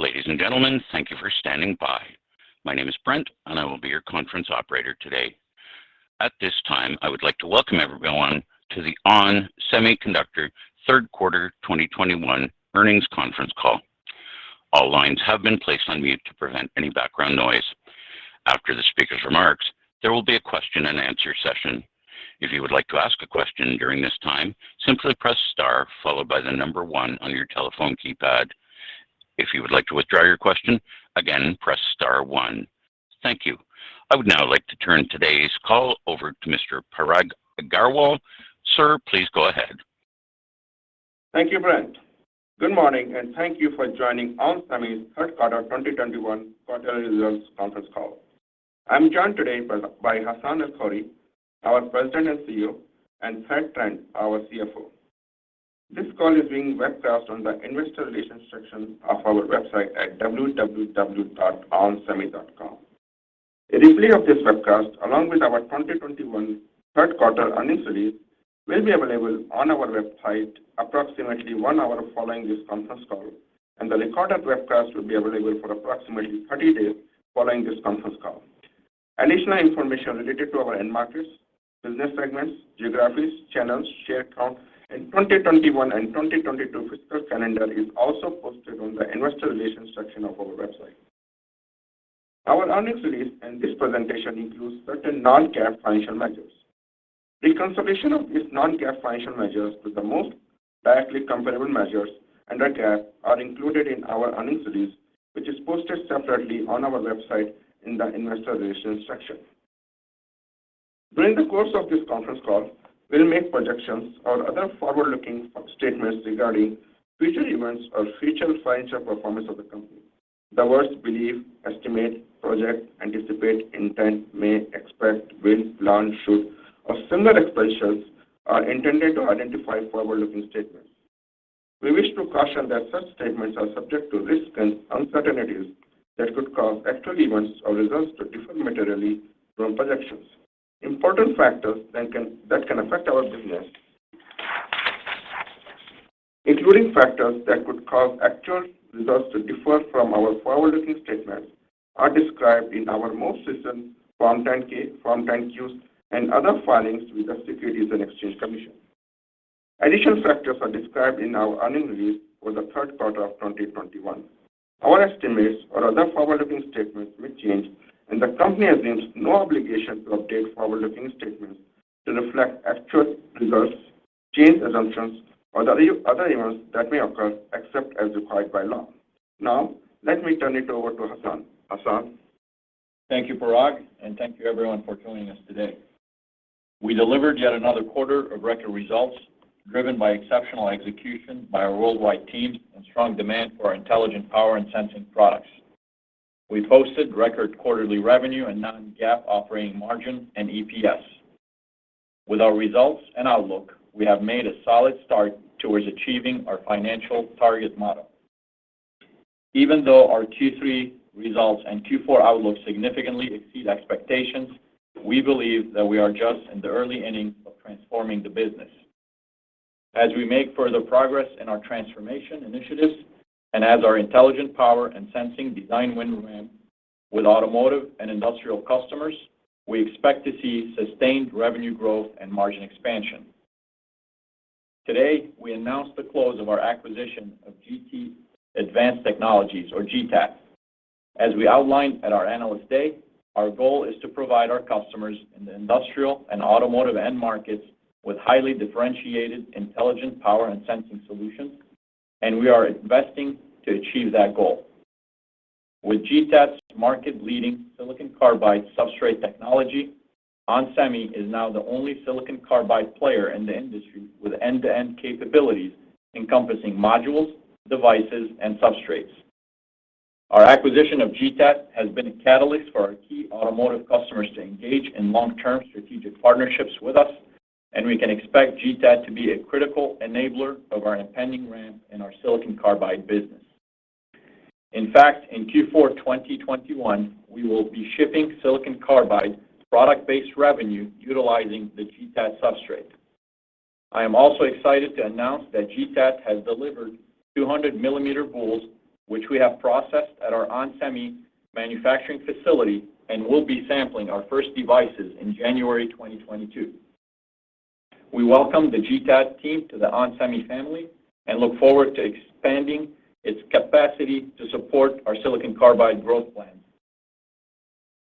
Ladies and gentlemen, thank you for standing by. My name is Brent, and I will be your conference operator today. At this time, I would like to welcome everyone to the ON Semiconductor third quarter 2021 earnings conference call. All lines have been placed on mute to prevent any background noise. After the speaker's remarks, there will be a question and answer session. If you would like to ask a question during this time, simply press star followed by the number 1 on your telephone keypad. If you would like to withdraw your question, again, press star 1. Thank you. I would now like to turn today's call over to Mr. Parag Agarwal. Sir, please go ahead. Thank you, Brent. Good morning, and thank you for joining onsemi third quarter 2021 quarterly results conference call. I'm joined today by Hassane El-Khoury, our President and CEO, and Thad Trent, our CFO. This call is being webcast on the investor relations section of our website at www.onsemi.com. A replay of this webcast, along with our 2021 third quarter earnings release, will be available on our website approximately one hour following this conference call, and the recorded webcast will be available for approximately 30 days following this conference call. Additional information related to our end markets, business segments, geographies, channels, share count, and 2021 and 2022 fiscal calendar is also posted on the investor relations section of our website. Our earnings release and this presentation includes certain non-GAAP financial measures. Reconciliation of these non-GAAP financial measures with the most directly comparable measures under GAAP are included in our earnings release, which is posted separately on our website in the investor relations section. During the course of this conference call, we'll make projections or other forward-looking statements regarding future events or future financial performance of the company. The words believe, estimate, project, anticipate, intend, may, expect, will, plan, should, or similar expressions are intended to identify forward-looking statements. We wish to caution that such statements are subject to risks and uncertainties that could cause actual events or results to differ materially from projections. Important factors that can affect our business, including factors that could cause actual results to differ from our forward-looking statements are described in our most recent Form 10-K, Form 10-Q, and other filings with the Securities and Exchange Commission. Additional factors are described in our earnings release for the third quarter of 2021. Our estimates or other forward-looking statements may change, and the company assumes no obligation to update forward-looking statements to reflect actual results, changed assumptions, or other events that may occur, except as required by law. Now, let me turn it over to Hassane. Hassane. Thank you, Parag, and thank you everyone for joining us today. We delivered yet another quarter of record results driven by exceptional execution by our worldwide team and strong demand for our intelligent power and sensing products. We posted record quarterly revenue and non-GAAP operating margin and EPS. With our results and outlook, we have made a solid start towards achieving our financial target model. Even though our Q3 results and Q4 outlook significantly exceed expectations, we believe that we are just in the early innings of transforming the business. As we make further progress in our transformation initiatives and as our intelligent power and sensing design win ramp with automotive and industrial customers, we expect to see sustained revenue growth and margin expansion. Today, we announced the close of our acquisition of GT Advanced Technologies or GTAT. As we outlined at our Analyst Day, our goal is to provide our customers in the industrial and automotive end markets with highly differentiated intelligent power and sensing solutions, and we are investing to achieve that goal. With GTAT's market-leading silicon carbide substrate technology, onsemi is now the only silicon carbide player in the industry with end-to-end capabilities encompassing modules, devices, and substrates. Our acquisition of GTAT has been a catalyst for our key automotive customers to engage in long-term strategic partnerships with us, and we can expect GTAT to be a critical enabler of our impending ramp in our silicon carbide business. In fact, in Q4 2021, we will be shipping silicon carbide product-based revenue utilizing the GTAT substrate. I am also excited to announce that GTAT has delivered 200 mm boules, which we have processed at our onsemi manufacturing facility and will be sampling our first devices in January 2022. We welcome the GTAT team to the onsemi family and look forward to expanding its capacity to support our silicon carbide growth plans.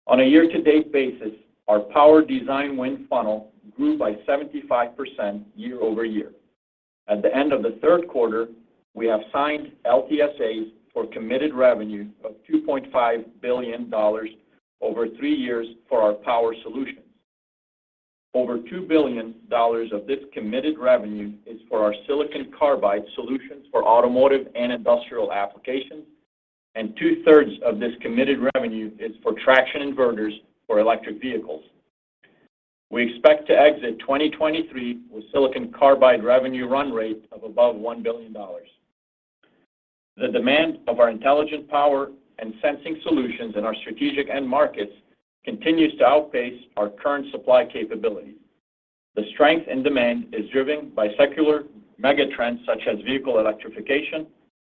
On a year-to-date basis, our power design win funnel grew by 75% year-over-year. At the end of the third quarter, we have signed LTSAs for committed revenue of $2.5 billion over three years for our power solutions. Over $2 billion of this committed revenue is for our silicon carbide solutions for automotive and industrial applications, and 2/3 of this committed revenue is for traction inverters for electric vehicles. We expect to exit 2023 with silicon carbide revenue run rate of above $1 billion. The demand of our intelligent power and sensing solutions in our strategic end markets continues to outpace our current supply capability. The strength and demand is driven by secular megatrends such as vehicle electrification,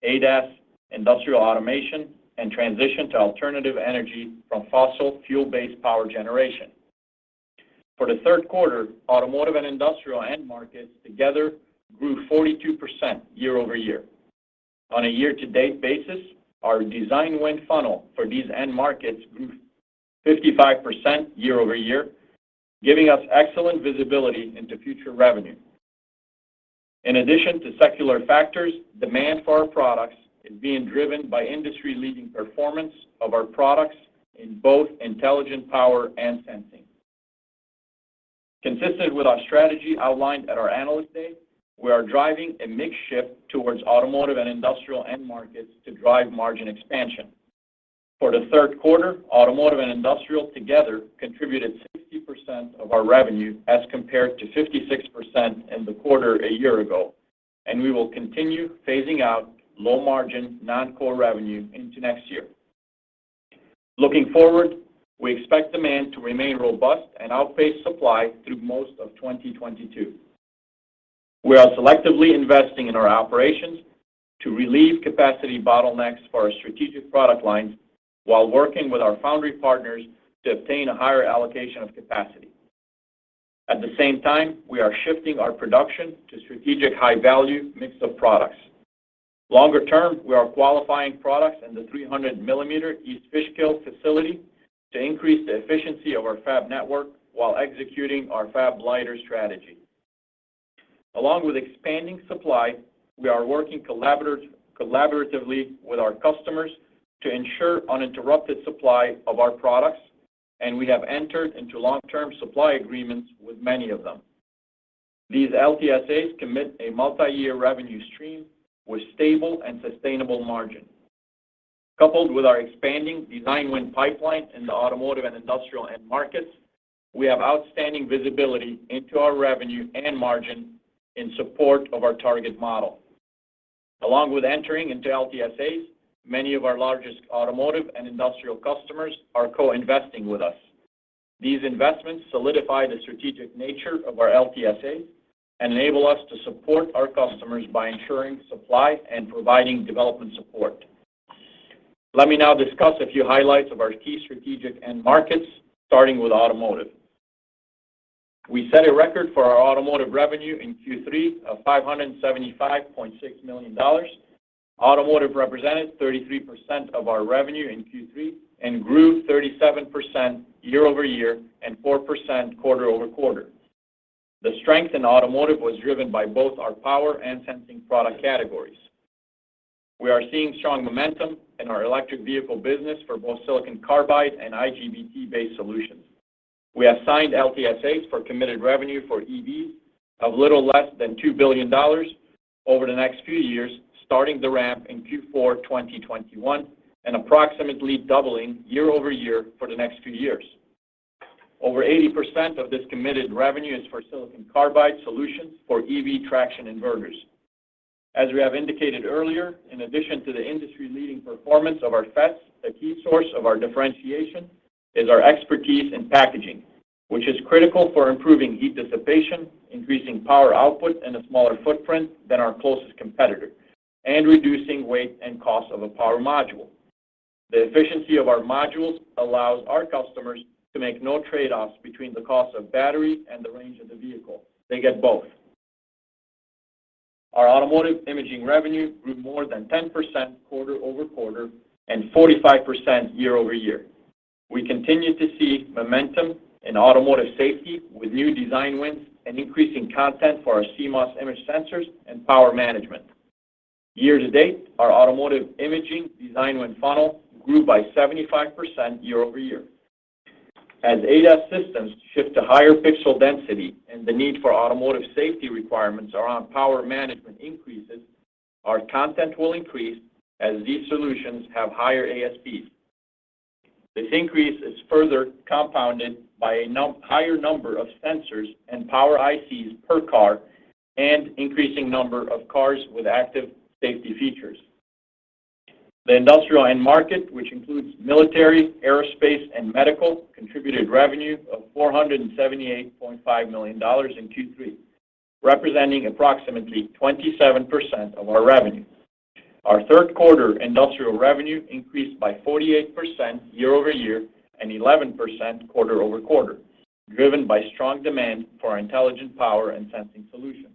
ADAS, industrial automation, and transition to alternative energy from fossil fuel-based power generation. For the third quarter, automotive and industrial end markets together grew 42% year-over-year. On a year-to-date basis, our design win funnel for these end markets grew 55% year-over-year, giving us excellent visibility into future revenue. In addition to secular factors, demand for our products is being driven by industry-leading performance of our products in both intelligent power and sensing. Consistent with our strategy outlined at our Analyst Day, we are driving a mix shift towards automotive and industrial end markets to drive margin expansion. For the third quarter, automotive and industrial together contributed 60% of our revenue as compared to 56% in the quarter a year ago, and we will continue phasing out low margin non-core revenue into next year. Looking forward, we expect demand to remain robust and outpace supply through most of 2022. We are selectively investing in our operations to relieve capacity bottlenecks for our strategic product lines while working with our foundry partners to obtain a higher allocation of capacity. At the same time, we are shifting our production to strategic high value mix of products. Longer term, we are qualifying products in the 300mm East Fishkill facility to increase the efficiency of our fab network while executing our fab-lighter strategy. Along with expanding supply, we are working collaboratively with our customers to ensure uninterrupted supply of our products, and we have entered into long-term supply agreements with many of them. These LTSAs commit a multiyear revenue stream with stable and sustainable margin. Coupled with our expanding design win pipeline in the automotive and industrial end markets, we have outstanding visibility into our revenue and margin in support of our target model. Along with entering into LTSAs, many of our largest automotive and industrial customers are co-investing with us. These investments solidify the strategic nature of our LTSAs and enable us to support our customers by ensuring supply and providing development support. Let me now discuss a few highlights of our key strategic end markets, starting with automotive. We set a record for our automotive revenue in Q3 of $575.6 million. Automotive represented 33% of our revenue in Q3 and grew 37% year-over-year and 4% quarter-over-quarter. The strength in automotive was driven by both our power and sensing product categories. We are seeing strong momentum in our electric vehicle business for both silicon carbide and IGBT-based solutions. We have signed LTSAs for committed revenue for EVs of a little less than $2 billion over the next few years, starting the ramp in Q4 2021 and approximately doubling year-over-year for the next few years. Over 80% of this committed revenue is for silicon carbide solutions for EV traction inverters. As we have indicated earlier, in addition to the industry-leading performance of our FET, a key source of our differentiation is our expertise in packaging, which is critical for improving heat dissipation, increasing power output in a smaller footprint than our closest competitor, and reducing weight and cost of a power module. The efficiency of our modules allows our customers to make no trade-offs between the cost of battery and the range of the vehicle. They get both. Our automotive imaging revenue grew more than 10% quarter-over-quarter and 45% year-over-year. We continue to see momentum in automotive safety with new design wins and increasing content for our CMOS image sensors and power management. Year-to-date, our automotive imaging design win funnel grew by 75% year-over-year. As ADAS systems shift to higher pixel density and the need for automotive safety requirements around power management increases, our content will increase as these solutions have higher ASPs. This increase is further compounded by higher number of sensors and power ICs per car and increasing number of cars with active safety features. The industrial end market, which includes military, aerospace, and medical, contributed revenue of $478.5 million in Q3, representing approximately 27% of our revenue. Our third quarter industrial revenue increased by 48% year-over-year and 11% quarter-over-quarter, driven by strong demand for our intelligent power and sensing solutions.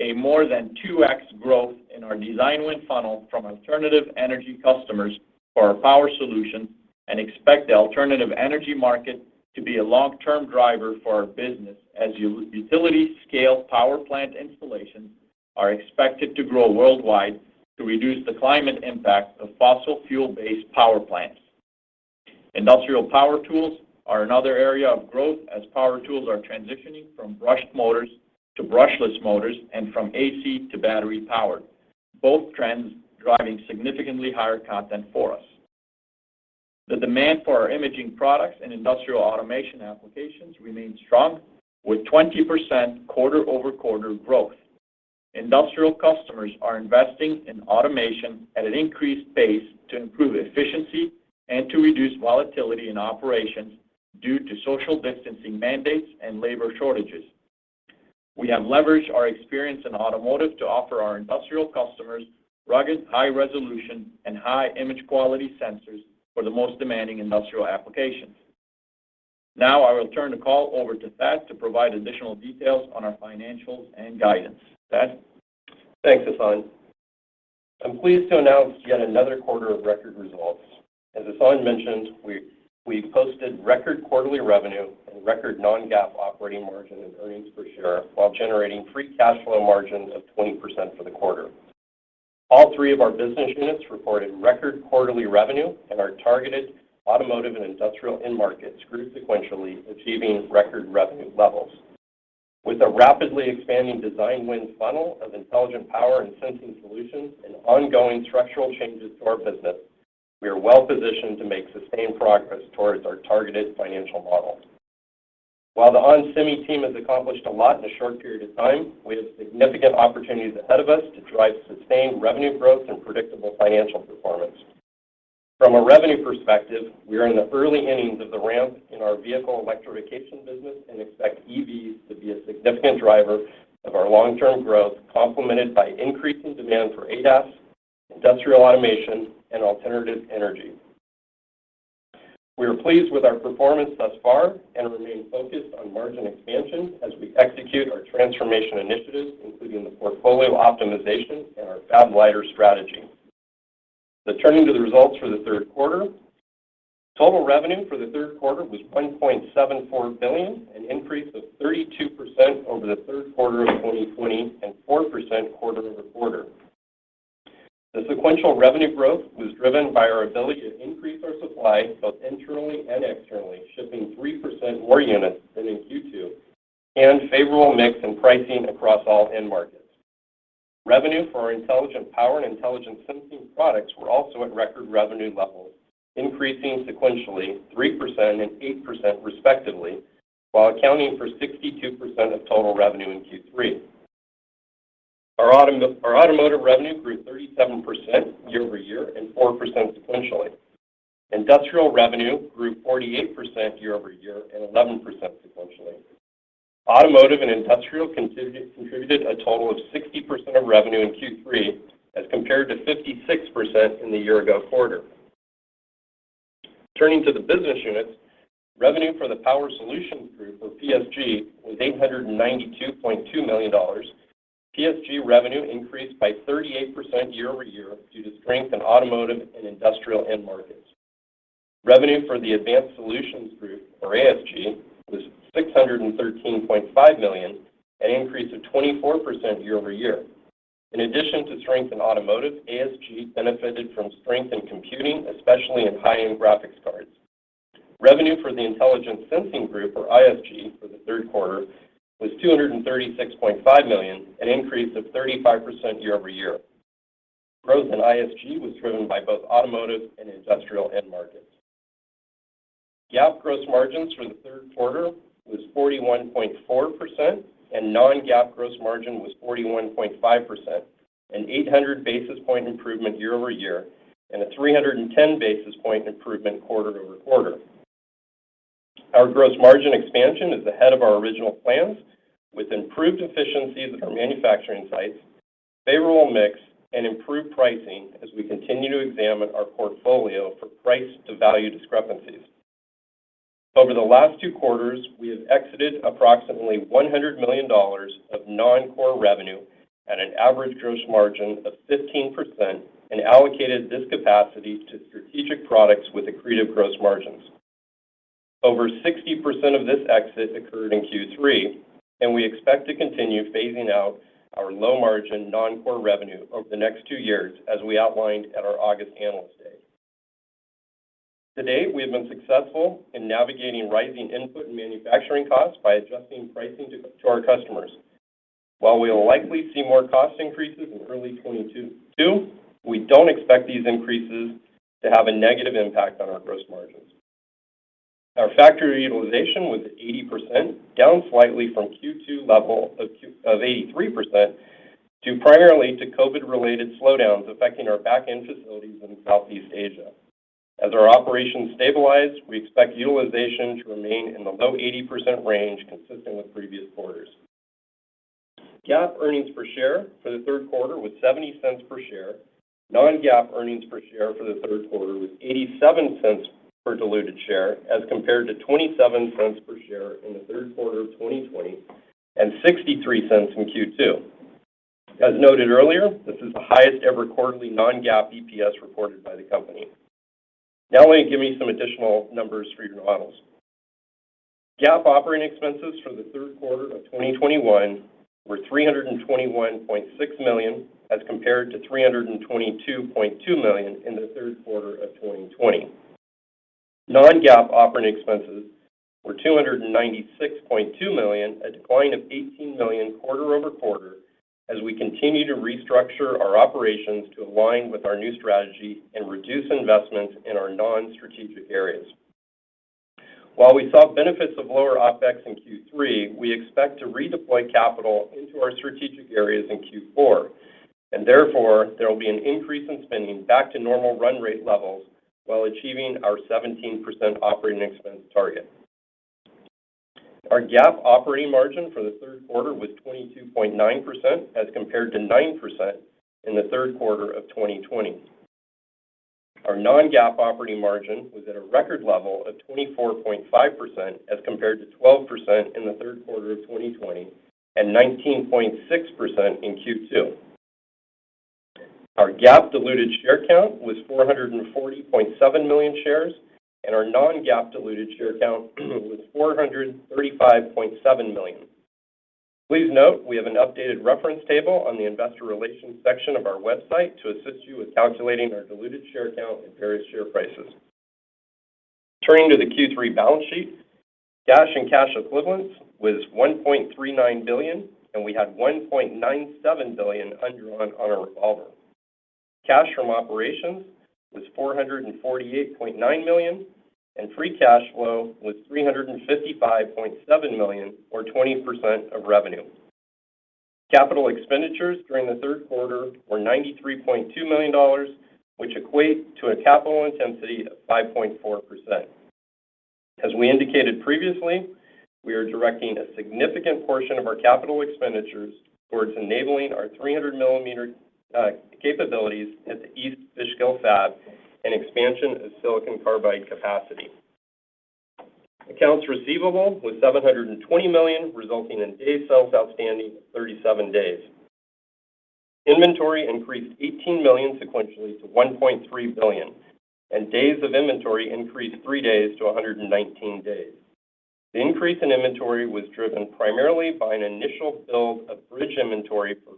We are seeing more than 2x growth in our design win funnel from alternative energy customers for our power solutions and expect the alternative energy market to be a long-term driver for our business as utility-scale power plant installations are expected to grow worldwide to reduce the climate impact of fossil fuel-based power plants. Industrial power tools are another area of growth as power tools are transitioning from brushed motors to brushless motors and from AC to battery power, both trends driving significantly higher content for us. The demand for our imaging products and industrial automation applications remains strong with 20% quarter-over-quarter growth. Industrial customers are investing in automation at an increased pace to improve efficiency and to reduce volatility in operations due to social distancing mandates and labor shortages. We have leveraged our experience in automotive to offer our industrial customers rugged, high resolution, and high image quality sensors for the most demanding industrial applications. Now, I will turn the call over to Thad to provide additional details on our financials and guidance. Thad? Thanks, Hassane. I'm pleased to announce yet another quarter of record results. As Hassane mentioned, we posted record quarterly revenue and record non-GAAP operating margin and earnings per share while generating free cash flow margins of 20% for the quarter. All three of our business units reported record quarterly revenue and our targeted automotive and industrial end markets grew sequentially, achieving record revenue levels. With a rapidly expanding design wins funnel of intelligent power and sensing solutions and ongoing structural changes to our business, we are well-positioned to make sustained progress towards our targeted financial model. While the onsemi team has accomplished a lot in a short period of time, we have significant opportunities ahead of us to drive sustained revenue growth and predictable financial performance. From a revenue perspective, we are in the early innings of the ramp in our vehicle electrification business and expect EVs to be a significant driver of our long-term growth, complemented by increasing demand for ADAS, industrial automation, and alternative energy. We are pleased with our performance thus far and remain focused on margin expansion as we execute our transformation initiatives, including the portfolio optimization and our Fab-Liter strategy. Now turning to the results for the third quarter. Total revenue for the third quarter was $1.74 billion, an increase of 32% over the third quarter of 2020, and 4% quarter-over-quarter. The sequential revenue growth was driven by our ability to increase our supply both internally and externally, shipping 3% more units than in Q2, and favorable mix in pricing across all end markets. Revenue for our intelligent power and intelligent sensing products were also at record revenue levels, increasing sequentially 3% and 8% respectively, while accounting for 62% of total revenue in Q3. Our automotive revenue grew 37% year-over-year and 4% sequentially. Industrial revenue grew 48% year-over-year and 11% sequentially. Automotive and industrial contributed a total of 60% of revenue in Q3 as compared to 56% in the year ago quarter. Turning to the business units, revenue for the Power Solutions Group, or PSG, was $892.2 million. PSG revenue increased by 38% year-over-year due to strength in automotive and industrial end markets. Revenue for the Advanced Solutions Group, or ASG, was $613.5 million, an increase of 24% year-over-year. In addition to strength in automotive, ASG benefited from strength in computing, especially in high-end graphics cards. Revenue for the Intelligent Sensing Group, or ISG, for the third quarter was $236.5 million, an increase of 35% year-over-year. Growth in ISG was driven by both automotive and industrial end markets. GAAP gross margins for the third quarter was 41.4%, and non-GAAP gross margin was 41.5%, an 800 basis point improvement year-over-year and a 310 basis point improvement quarter-over-quarter. Our gross margin expansion is ahead of our original plans with improved efficiencies at our manufacturing sites, favorable mix, and improved pricing as we continue to examine our portfolio for price to value discrepancies. Over the last two quarters, we have exited approximately $100 million of non-core revenue at an average gross margin of 15% and allocated this capacity to strategic products with accretive gross margins. Over 60% of this exit occurred in Q3, and we expect to continue phasing out our low margin non-core revenue over the next two years, as we outlined at our August Analyst Day. To date, we have been successful in navigating rising input and manufacturing costs by adjusting pricing to our customers. While we will likely see more cost increases in early 2022, we don't expect these increases to have a negative impact on our gross margins. Our factory utilization was 80%, down slightly from Q2 level of 83%, due primarily to COVID related slowdowns affecting our back-end facilities in Southeast Asia. As our operations stabilize, we expect utilization to remain in the low 80% range, consistent with previous quarters. GAAP earnings per share for the third quarter was $0.70 per share. Non-GAAP earnings per share for the third quarter was $0.87 per diluted share as compared to $0.27 per share in the third quarter of 2020 and $0.63 in Q2. As noted earlier, this is the highest ever quarterly non-GAAP EPS reported by the company. Now let me give you some additional numbers for your models. GAAP operating expenses for the third quarter of 2021 were $321.6 million, as compared to $322.2 million in the third quarter of 2020. Non-GAAP operating expenses were $296.2 million, a decline of $18 million quarter-over-quarter as we continue to restructure our operations to align with our new strategy and reduce investments in our non-strategic areas. While we saw benefits of lower OpEx in Q3, we expect to redeploy capital into our strategic areas in Q4, and therefore there will be an increase in spending back to normal run rate levels while achieving our 17% operating expense target. Our GAAP operating margin for the third quarter was 22.9% as compared to 9% in the third quarter of 2020. Our non-GAAP operating margin was at a record level of 24.5% as compared to 12% in the third quarter of 2020, and 19.6% in Q2. Our GAAP diluted share count was 440.7 million shares, and our non-GAAP diluted share count was 435.7 million. Please note we have an updated reference table on the investor relations section of our website to assist you with calculating our diluted share count and various share prices. Turning to the Q3 balance sheet, cash and cash equivalents was $1.39 billion, and we had $1.97 billion undrawn on our revolver. Cash from operations was $448.9 million, and free cash flow was $355.7 million or 20% of revenue. Capital expenditures during the third quarter were $93.2 million, which equates to a capital intensity of 5.4%. As we indicated previously, we are directing a significant portion of our capital expenditures towards enabling our 300 mm capabilities at the East Fishkill fab and expansion of silicon carbide capacity. Accounts receivable was $720 million, resulting in day sales outstanding of 37 days. Inventory increased $18 million sequentially to $1.3 billion, and days of inventory increased three days to 119 days. The increase in inventory was driven primarily by an initial build of bridge inventory for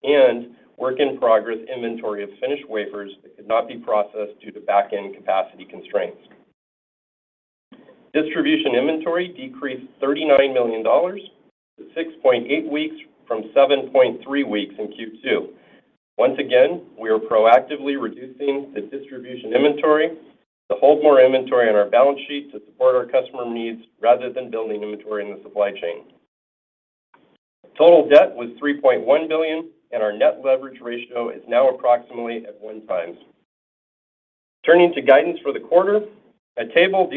fab transition and work in progress inventory of finished wafers that could not be processed due to back-end capacity constraints. Distribution inventory decreased $39 million to 6.8 weeks from 7.3 weeks in Q2. Once again, we are proactively reducing the distribution inventory to hold more inventory on our balance sheet to support our customer needs rather than building inventory in the supply chain. Total debt was $3.1 billion, and our net leverage ratio is now approximately at 1x. Turning to guidance for the quarter, a table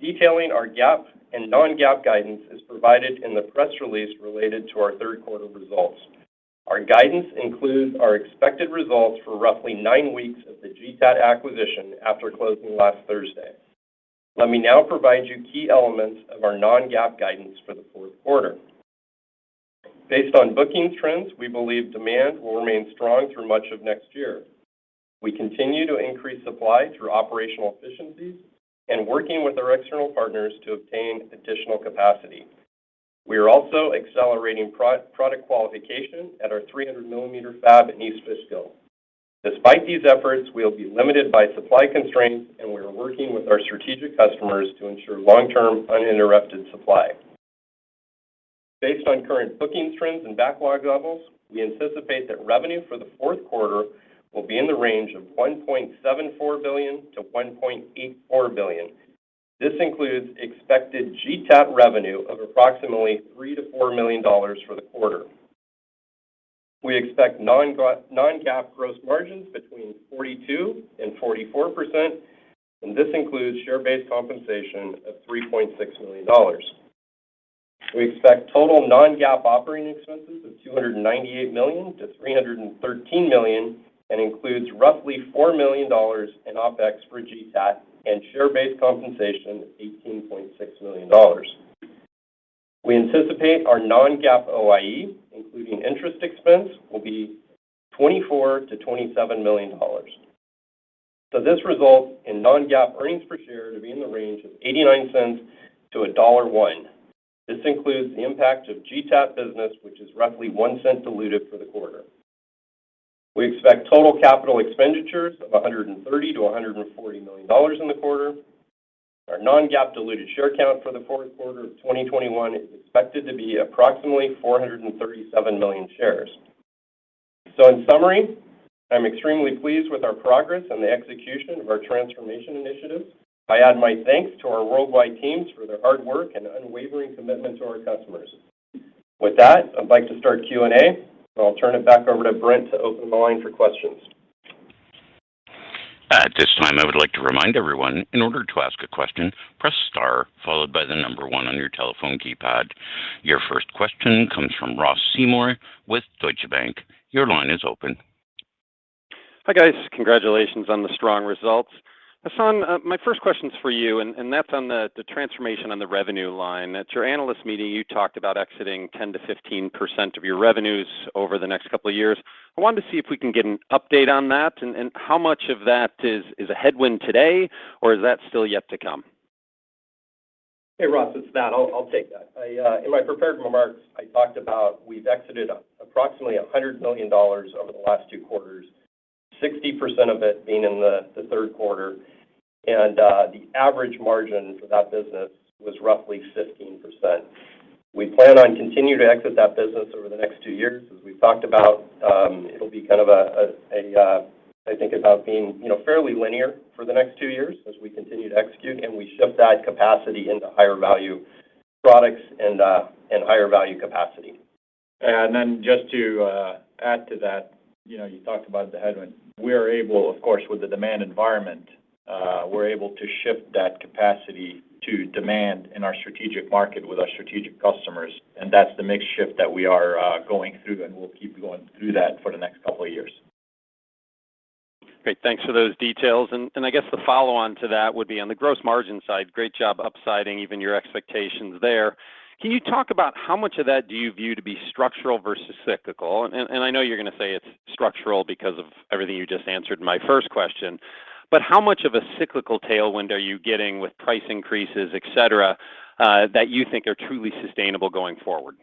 detailing our GAAP and non-GAAP guidance is provided in the press release related to our third quarter results. Our guidance includes our expected results for roughly nine weeks of the GTAT acquisition after closing last Thursday. Let me now provide you key elements of our non-GAAP guidance for the fourth quarter. Based on booking trends, we believe demand will remain strong through much of next year. We continue to increase supply through operational efficiencies and working with our external partners to obtain additional capacity. We are also accelerating product qualification at our 300 mm fab in East Fishkill. Despite these efforts, we'll be limited by supply constraints, and we are working with our strategic customers to ensure long-term uninterrupted supply. Based on current booking trends and backlog levels, we anticipate that revenue for the fourth quarter will be in the range of $1.74 billion-$1.84 billion. This includes expected GTAT revenue of approximately $3 million-$4 million for the quarter. We expect non-GAAP gross margins between 42%-44%, and this includes share-based compensation of $3.6 million. We expect total non-GAAP operating expenses of $298 million-$313 million, and includes roughly $4 million in OpEx for GTAT and share-based compensation of $18.6 million. We anticipate our non-GAAP OIE, including interest expense, will be $24 million-$27 million. This results in non-GAAP earnings per share to be in the range of $0.89-$1.01. This includes the impact of GTAT business, which is roughly $0.01 diluted for the quarter. We expect total capital expenditures of $130 million-$140 million in the quarter. Our non-GAAP diluted share count for the fourth quarter of 2021 is expected to be approximately 437 million shares. In summary, I'm extremely pleased with our progress and the execution of our transformation initiatives. I add my thanks to our worldwide teams for their hard work and unwavering commitment to our customers. With that, I'd like to start Q&A, and I'll turn it back over to Brent to open the line for questions. At this time, I would like to remind everyone, in order to ask a question, press star followed by the number one on your telephone keypad. Your first question comes from Ross Seymore with Deutsche Bank. Your line is open. Hi, guys. Congratulations on the strong results. Hassane, my first question is for you, and that's on the transformation on the revenue line. At your analyst meeting, you talked about exiting 10%-15% of your revenues over the next couple of years. I wanted to see if we can get an update on that and how much of that is a headwind today, or is that still yet to come? Hey, Ross, it's Thad. I'll take that. In my prepared remarks, I talked about we've exited approximately $100 million over the last two quarters, 60% of it being in the third quarter, and the average margin for that business was roughly 15%. We plan on continuing to exit that business over the next two years. As we've talked about, it'll be kind of a I think about being, you know, fairly linear for the next two years as we continue to execute, and we shift that capacity into higher value products and higher value capacity. Just to add to that, you know, you talked about the headwind. We are able, of course, with the demand environment, we're able to shift that capacity to demand in our strategic market with our strategic customers, and that's the mix shift that we are going through, and we'll keep going through that for the next couple of years. Great. Thanks for those details. I guess the follow-on to that would be on the gross margin side, great job upsiding even your expectations there. Can you talk about how much of that do you view to be structural versus cyclical? I know you're gonna say it's structural because of everything you just answered my first question. How much of a cyclical tailwind are you getting with price increases, et cetera, that you think are truly sustainable going forward?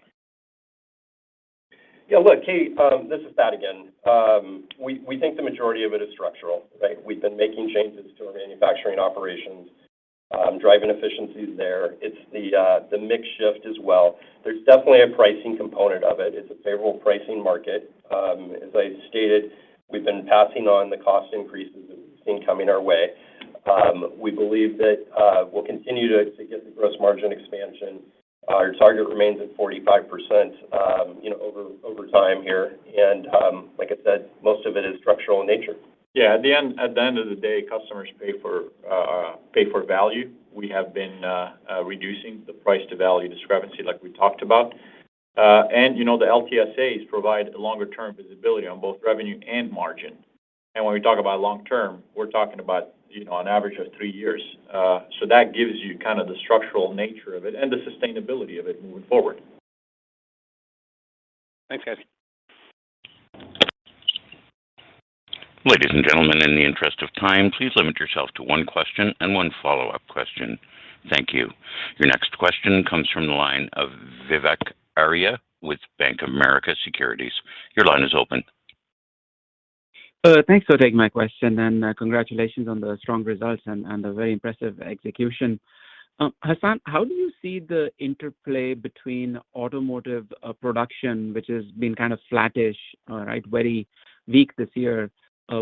This is Thad again. We think the majority of it is structural, right? We've been making changes to our manufacturing operations, driving efficiencies there. It's the mix shift as well. There's definitely a pricing component of it. It's a favorable pricing market. As I stated, we've been passing on the cost increases that we've seen coming our way. We believe that we'll continue to get the gross margin expansion. Our target remains at 45%, you know, over time here. Like I said, most of it is structural in nature. At the end of the day, customers pay for value. We have been reducing the price-to-value discrepancy like we talked about. You know, the LTSAs provide longer term visibility on both revenue and margin. When we talk about long term, we're talking about, you know, an average of three years. That gives you kind of the structural nature of it and the sustainability of it moving forward. Thanks, guys. Ladies and gentlemen, in the interest of time, please limit yourself to one question and one follow-up question. Thank you. Your next question comes from the line of Vivek Arya with Bank of America Securities. Your line is open. Thanks for taking my question, and congratulations on the strong results and the very impressive execution. Hassane, how do you see the interplay between automotive production, which has been kind of flattish, right, very weak this year,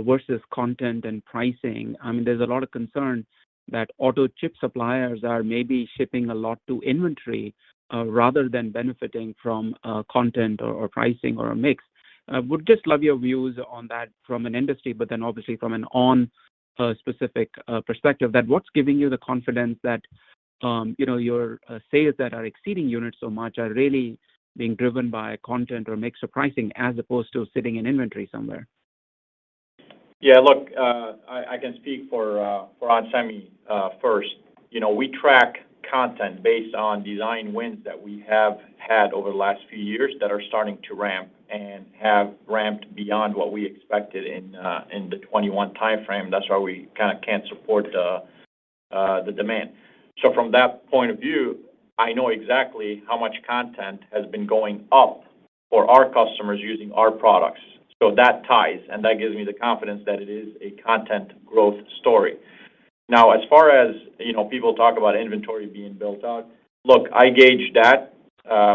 versus content and pricing? I mean, there's a lot of concern that auto chip suppliers are maybe shipping a lot to inventory rather than benefiting from content or pricing or a mix. Would just love your views on that from an industry, but then obviously from an ON specific perspective that what's giving you the confidence that, you know, your sales that are exceeding units so much are really being driven by content or mix or pricing as opposed to sitting in inventory somewhere? Yeah. Look, I can speak for onsemi first. You know, we track content based on design wins that we have had over the last few years that are starting to ramp and have ramped beyond what we expected in the 2021 timeframe. That's why we kinda can't support the demand. From that point of view, I know exactly how much content has been going up for our customers using our products. That ties, and that gives me the confidence that it is a content growth story. Now, as far as, you know, people talk about inventory being built out, look, I gauge that.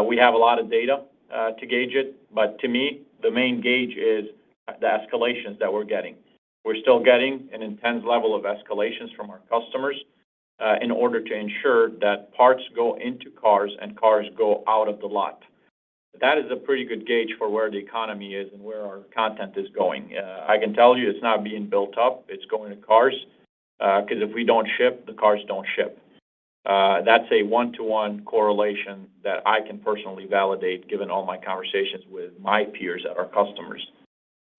We have a lot of data to gauge it, but to me, the main gauge is the escalations that we're getting. We're still getting an intense level of escalations from our customers in order to ensure that parts go into cars and cars go out of the lot. That is a pretty good gauge for where the economy is and where our content is going. I can tell you it's not being built up. It's going to cars. 'Cause if we don't ship, the cars don't ship. That's a one-to-one correlation that I can personally validate given all my conversations with my peers at our customers.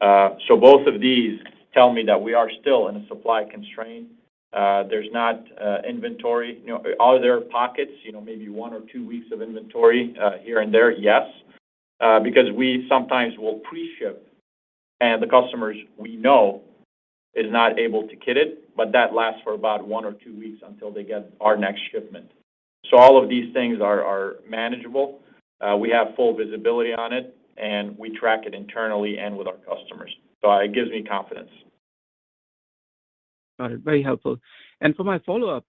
So both of these tell me that we are still in a supply constraint. There's not inventory. You know, are there pockets, you know, maybe one or two weeks of inventory here and there? Yes, because we sometimes will pre-ship and the customers we know is not able to kit it, but that lasts for about one or two weeks until they get our next shipment. All of these things are manageable. We have full visibility on it, and we track it internally and with our customers. It gives me confidence. Got it. Very helpful. For my follow-up,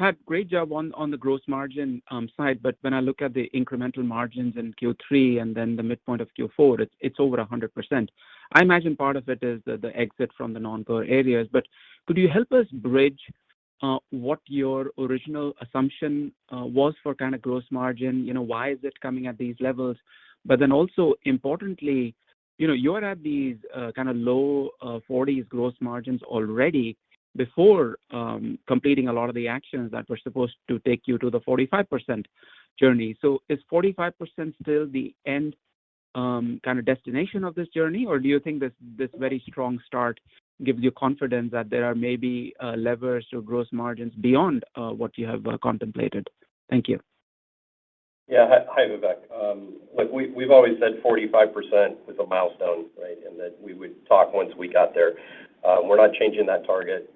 Thad, great job on the gross margin side. When I look at the incremental margins in Q3 and then the midpoint of Q4, it's over 100%. I imagine part of it is the exit from the non-core areas. Could you help us bridge what your original assumption was for kind of gross margin? You know, why is it coming at these levels? Then also importantly, you know, you're at these kind of low 40s gross margins already before completing a lot of the actions that were supposed to take you to the 45% journey. Is 45% still the end kind of destination of this journey? Do you think this very strong start gives you confidence that there are maybe levers to gross margins beyond what you have contemplated? Thank you. Hi, Vivek. Look, we've always said 45% is a milestone, right? That we would talk once we got there. We're not changing that target.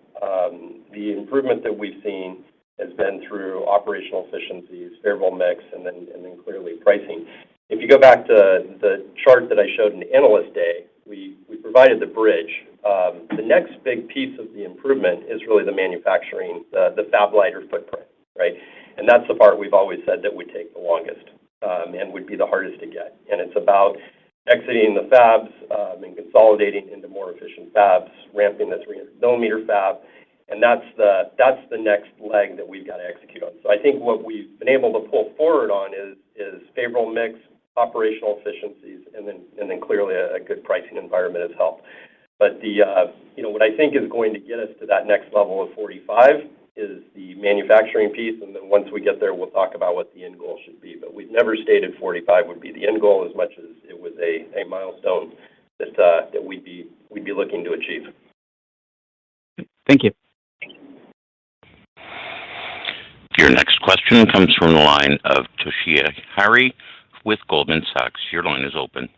The improvement that we've seen has been through operational efficiencies, favorable mix, and then clearly pricing. If you go back to the chart that I showed in the Analyst Day, we provided the bridge. The next big piece of the improvement is really the manufacturing, the fab-lighter footprint, right? That's the part we've always said that would take the longest and would be the hardest to get. It's about exiting the fabs and consolidating into more efficient fabs, ramping the 300 mm fab. That's the next leg that we've got to execute on. I think what we've been able to pull forward on is favorable mix, operational efficiencies, and then clearly a good pricing environment has helped. You know, what I think is going to get us to that next level of 45% is the manufacturing piece, and then once we get there, we'll talk about what the end goal should be. We've never stated 45% would be the end goal as much as it was a milestone that we'd be looking to achieve. Thank you. Your next question comes from the line of Toshiya Hari with Goldman Sachs. Your line is open.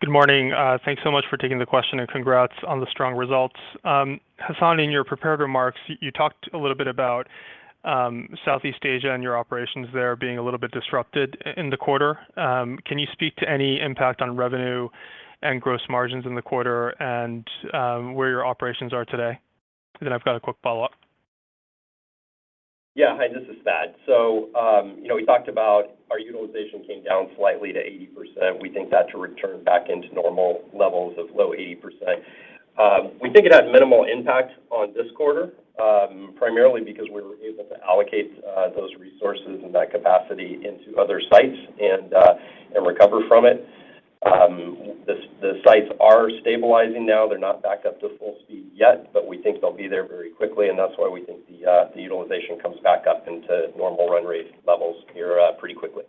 Good morning. Thanks so much for taking the question, and congrats on the strong results. Hassane, in your prepared remarks, you talked a little bit about Southeast Asia and your operations there being a little bit disrupted in the quarter. Can you speak to any impact on revenue and gross margins in the quarter and where your operations are today? Then I've got a quick follow-up. Hi, this is Thad. You know, we talked about our utilization came down slightly to 80%. We think that should return back into normal levels of low 80%. We think it has minimal impact on this quarter, primarily because we were able to allocate those resources and that capacity into other sites and recover from it. The sites are stabilizing now. They're not backed up to full speed yet, but we think they'll be there very quickly, and that's why we think the utilization comes back up into normal run rate levels here pretty quickly.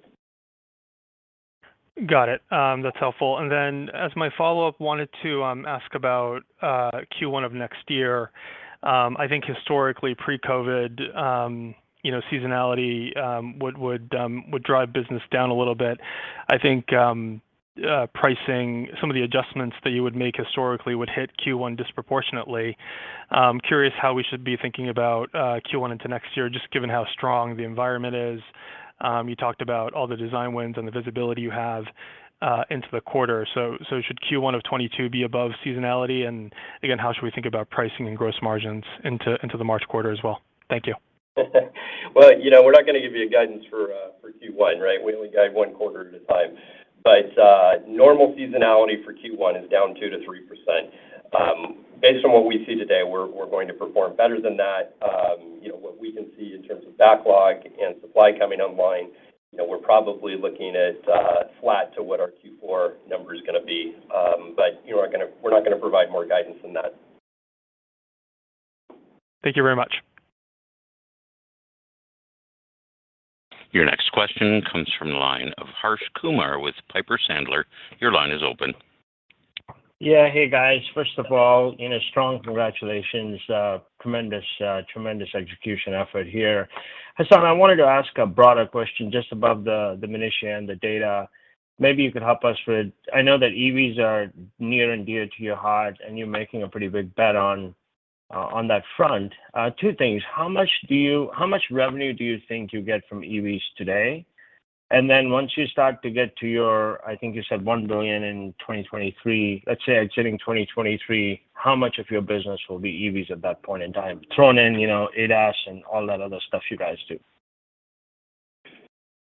Got it. That's helpful. Then as my follow-up, wanted to ask about Q1 of next year. I think historically pre-COVID, you know, seasonality would drive business down a little bit. I think pricing some of the adjustments that you would make historically would hit Q1 disproportionately. I'm curious how we should be thinking about Q1 into next year, just given how strong the environment is. You talked about all the design wins and the visibility you have into the quarter. Should Q1 of 2022 be above seasonality? Again, how should we think about pricing and gross margins into the March quarter as well? Thank you. Well, you know, we're not gonna give you a guidance for Q1, right? We only guide one quarter at a time. Normal seasonality for Q1 is down 2%-3%. Based on what we see today, we're going to perform better than that. You know, what we can see in terms of backlog and supply coming online, you know, we're probably looking at flat to what our Q4 number is gonna be. You know we're not gonna provide more guidance than that. Thank you very much. Your next question comes from the line of Harsh Kumar with Piper Sandler. Your line is open. Hey, guys. First of all, you know, strong congratulations. Tremendous execution effort here. Hassane, I wanted to ask a broader question just above the minutia and the data. Maybe you could help us with. I know that EVs are near and dear to your heart, and you're making a pretty big bet on that front. Two things. How much revenue do you think you get from EVs today? Then once you start to get to your, I think you said $1 billion in 2023, let's say exiting 2023, how much of your business will be EVs at that point in time? Throw in, you know, ADAS and all that other stuff you guys do.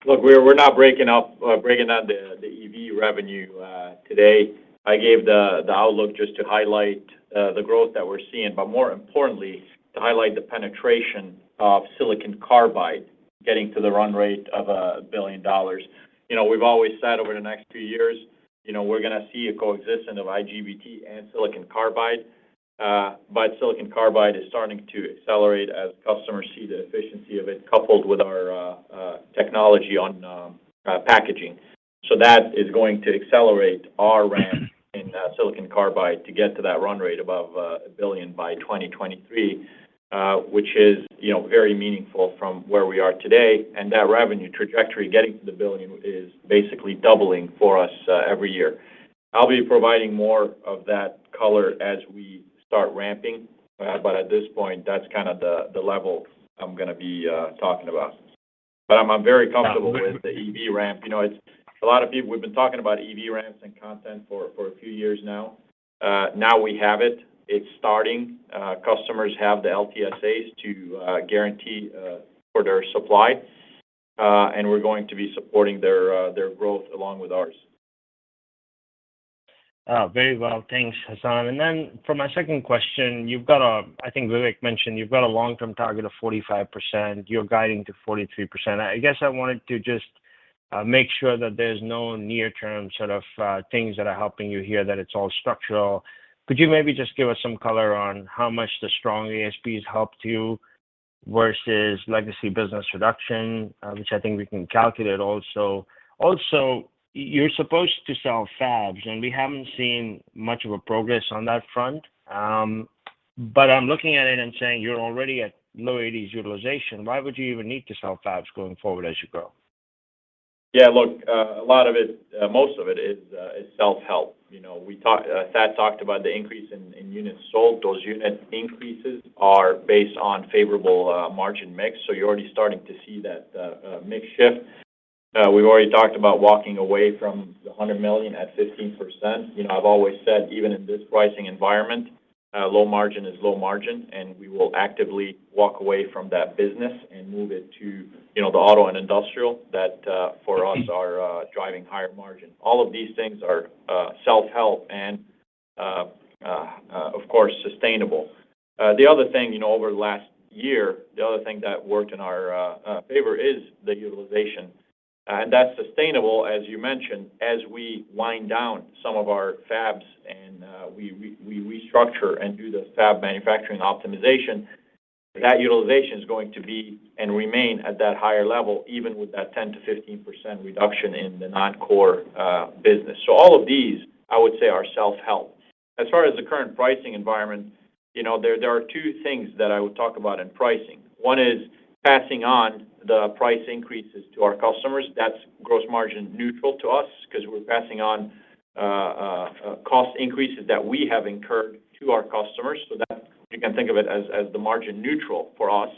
Look, we're not breaking down the EV revenue today. I gave the outlook just to highlight the growth that we're seeing, but more importantly, to highlight the penetration of silicon carbide getting to the run rate of $1 billion. You know, we've always said over the next few years, you know, we're gonna see a coexistence of IGBT and silicon carbide. But silicon carbide is starting to accelerate as customers see the efficiency of it coupled with our technology on packaging. So that is going to accelerate our ramp in silicon carbide to get to that run rate above $1 billion by 2023, which is, you know, very meaningful from where we are today. That revenue trajectory, getting to the $1 billion is basically doubling for us every year. I'll be providing more of that color as we start ramping. At this point, that's kind of the level I'm gonna be talking about. I'm very comfortable with the EV ramp. You know, it's a lot of people, we've been talking about EV ramps and content for a few years now. Now we have it. It's starting. Customers have the LTSAs to guarantee for their supply, and we're going to be supporting their growth along with ours. Very well. Thanks, Hassane. For my second question, I think Vivek mentioned you've got a long-term target of 45%. You're guiding to 43%. I guess I wanted to just make sure that there's no near-term sort of things that are helping you here, that it's all structural. Could you maybe just give us some color on how much the strong ASPs helped you versus legacy business reduction, which I think we can calculate also. Also, you're supposed to sell fabs, and we haven't seen much of a progress on that front. I'm looking at it and saying you're already at low 80s utilization. Why would you even need to sell fabs going forward as you grow? Yeah. Look, a lot of it, most of it is self-help. You know, Thad talked about the increase in units sold. Those unit increases are based on favorable margin mix. You're already starting to see that mix shift. We've already talked about walking away from the $100 million at 15%. You know, I've always said, even in this pricing environment, low margin is low margin, and we will actively walk away from that business and move it to, you know, the auto and industrial that, for us are, driving higher margin. All of these things are, self-help and, of course, sustainable. The other thing, you know, over the last year, the other thing that worked in our, favor is the utilization. That's sustainable, as you mentioned. As we wind down some of our fabs and, we restructure and do the fab manufacturing optimization, that utilization is going to be and remain at that higher level, even with that 10%-15% reduction in the non-core, business. All of these, I would say, are self-help. As far as the current pricing environment, you know, there are two things that I would talk about in pricing. One is passing on the price increases to our customers. That's gross margin neutral to us because we're passing on cost increases that we have incurred to our customers. So that you can think of it as the margin neutral for us.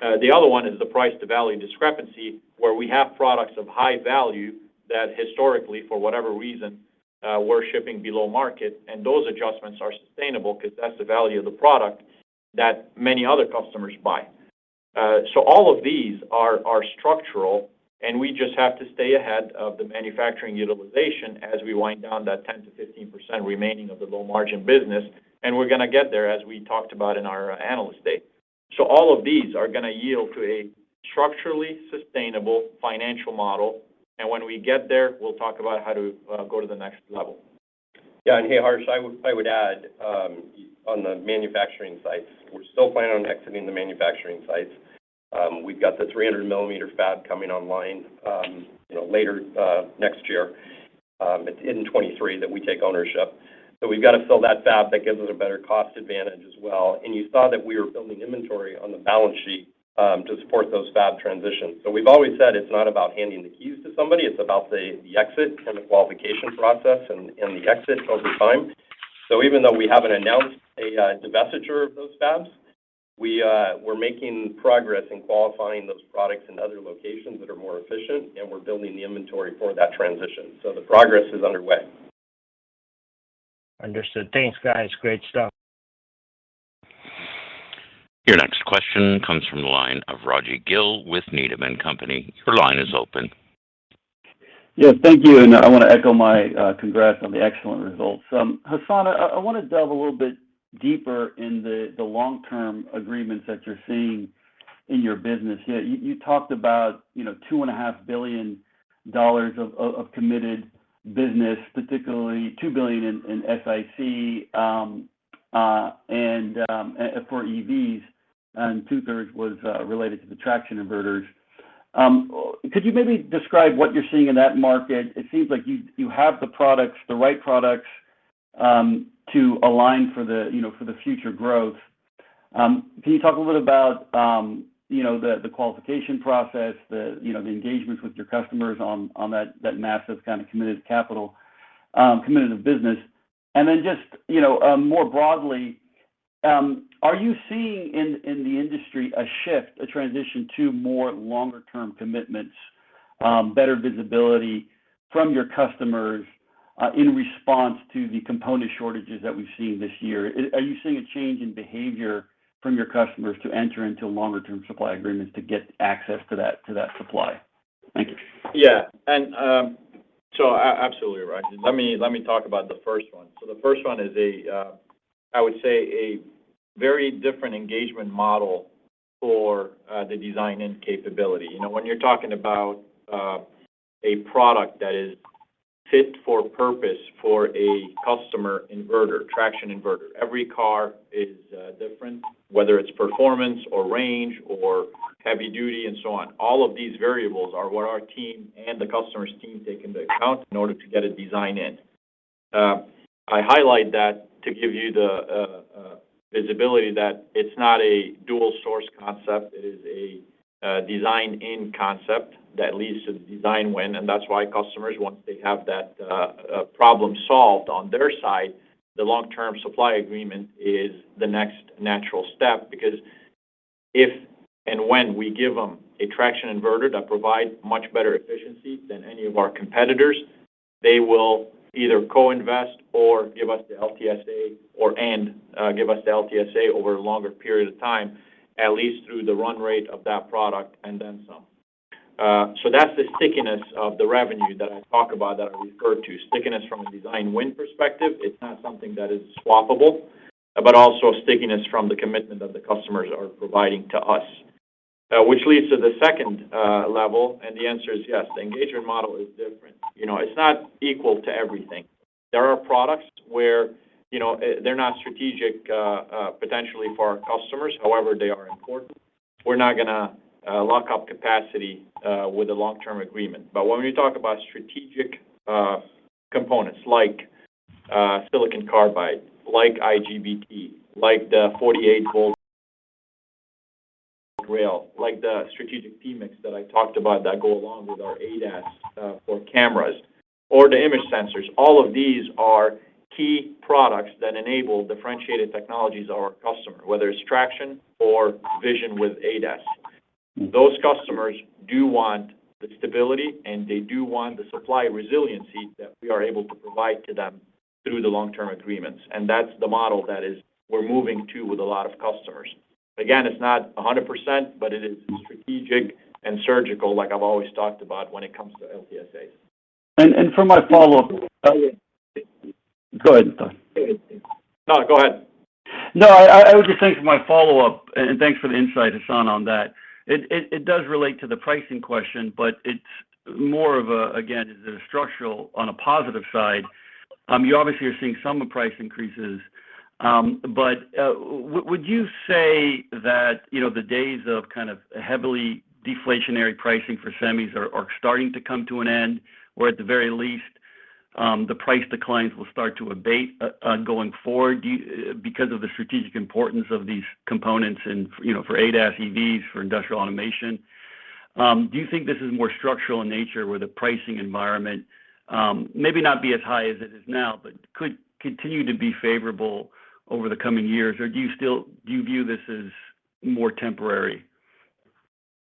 The other one is the price to value discrepancy, where we have products of high value that historically, for whatever reason, we're shipping below market. Those adjustments are sustainable because that's the value of the product that many other customers buy. All of these are structural, and we just have to stay ahead of the manufacturing utilization as we wind down that 10%-15% remaining of the low margin business. We're gonna get there, as we talked about in our analyst day. All of these are gonna yield to a structurally sustainable financial model. When we get there, we'll talk about how to go to the next level. Hey, Harsh, I would add on the manufacturing sites. We're still planning on exiting the manufacturing sites. We've got the 300 mm fab coming online, you know, later next year. It's in 2023 that we take ownership. We've got to fill that fab. That gives us a better cost advantage as well. You saw that we were building inventory on the balance sheet to support those fab transitions. We've always said it's not about handing the keys to somebody. It's about the exit and the qualification process and the exit over time. Even though we haven't announced a divestiture of those fabs, we're making progress in qualifying those products in other locations that are more efficient, and we're building the inventory for that transition. The progress is underway. Understood. Thanks, guys. Great stuff. Your next question comes from the line of Raji Gill with Needham & Company. Your line is open. Yes. Thank you. I want to echo my congrats on the excellent results. Hassane, I wanna delve a little bit deeper in the long-term agreements that you're seeing in your business here. You talked about, you know, $2.5 billion of committed business, particularly $2 billion in SiC and for EVs, and two-thirds was related to the traction inverters. Could you maybe describe what you're seeing in that market? It seems like you have the products, the right products, to align for the future growth. Can you talk a little about the qualification process, the engagements with your customers on that massive kinda committed capital committed to business? Just, you know, more broadly, are you seeing in the industry a shift, a transition to more longer term commitments, better visibility from your customers, in response to the component shortages that we've seen this year? Are you seeing a change in behavior from your customers to enter into longer term supply agreements to get access to that supply? Thank you. Absolutely, Raji. Let me talk about the first one. The first one is I would say a very different engagement model for the design and capability. You know, when you're talking about a product that is fit for purpose for a customer inverter, traction inverter. Every car is different, whether it's performance, or range, or heavy duty and so on. All of these variables are what our team and the customer's team take into account in order to get a design in. I highlight that to give you the visibility that it's not a dual source concept. It is a design in concept that leads to the design win. That's why customers, once they have that, problem solved on their side, the long-term supply agreement is the next natural step. Because if and when we give them a traction inverter that provides much better efficiency than any of our competitors, they will either co-invest or give us the LTSA over a longer period of time, at least through the run rate of that product and then some. That's the stickiness of the revenue that I talk about, that I refer to. Stickiness from a design win perspective, it's not something that is swappable, but also stickiness from the commitment that the customers are providing to us. Which leads to the second level, and the answer is yes, the engagement model is different. You know, it's not equal to everything. There are products where, you know, they're not strategic, potentially for our customers. However, they are important. We're not gonna lock up capacity with a long-term agreement. When we talk about strategic components like silicon carbide, like IGBT, like the 48V rail, like the strategic themes that I talked about that go along with our ADAS for cameras or the image sensors, all of these are key products that enable differentiated technologies to our customer, whether it's traction or vision with ADAS. Those customers do want the stability, and they do want the supply resiliency that we are able to provide to them through the long-term agreements. That's the model that we're moving to with a lot of customers. Again, it's not 100%, but it is strategic and surgical, like I've always talked about when it comes to LTSAs. for my follow-up. Go ahead No, go ahead. No, I was just saying for my follow-up, and thanks for the insight, Hassane, on that. It does relate to the pricing question, but it's more of a, again, is a structural on a positive side. You obviously are seeing some price increases, but would you say that, you know, the days of kind of heavily deflationary pricing for semis are starting to come to an end, or at the very least, the price declines will start to abate going forward because of the strategic importance of these components and, you know, for ADAS, EVs, for industrial automation. Do you think this is more structural in nature where the pricing environment, maybe not be as high as it is now, but could continue to be favorable over the coming years? Do you still view this as more temporary?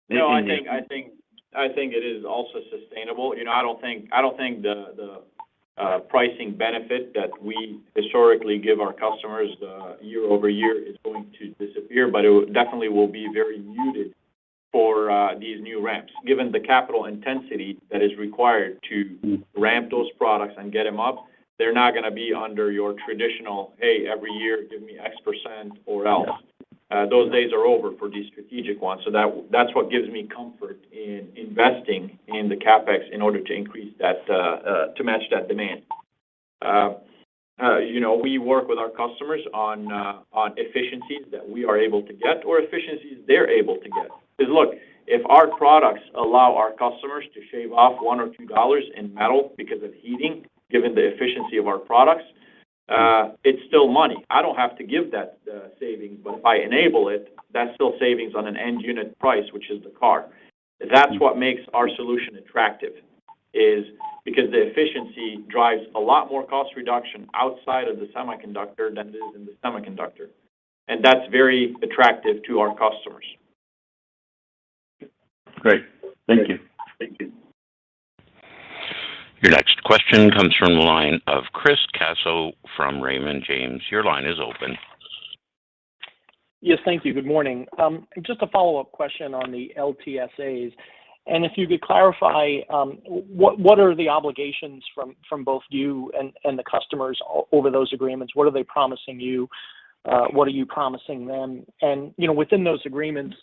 No, I think it is also sustainable. You know, I don't think the pricing benefit that we historically give our customers year-over-year is going to disappear, but it definitely will be very muted for these new ramps. Given the capital intensity that is required to ramp those products and get them up, they're not gonna be under your traditional, "Hey, every year, give me X percent or. Those days are over for these strategic ones. That's what gives me comfort in investing in the CapEx in order to increase that to match that demand. You know, we work with our customers on efficiencies that we are able to get or efficiencies they're able to get. 'Cause look, if our products allow our customers to shave off $1 or $2 in metal because of heating, given the efficiency of our products, it's still money. I don't have to give that savings, but if I enable it, that's still savings on an end unit price, which is the car. That's what makes our solution attractive, is because the efficiency drives a lot more cost reduction outside of the semiconductor than it is in the semiconductor. That's very attractive to our customers. Great. Thank you. Thank you. Your next question comes from the line of Chris Caso from Raymond James. Your line is open. Yes, thank you. Good morning. Just a follow-up question on the LTSAs. If you could clarify, what are the obligations from both you and the customers over those agreements? What are they promising you? What are you promising them? You know, within those agreements,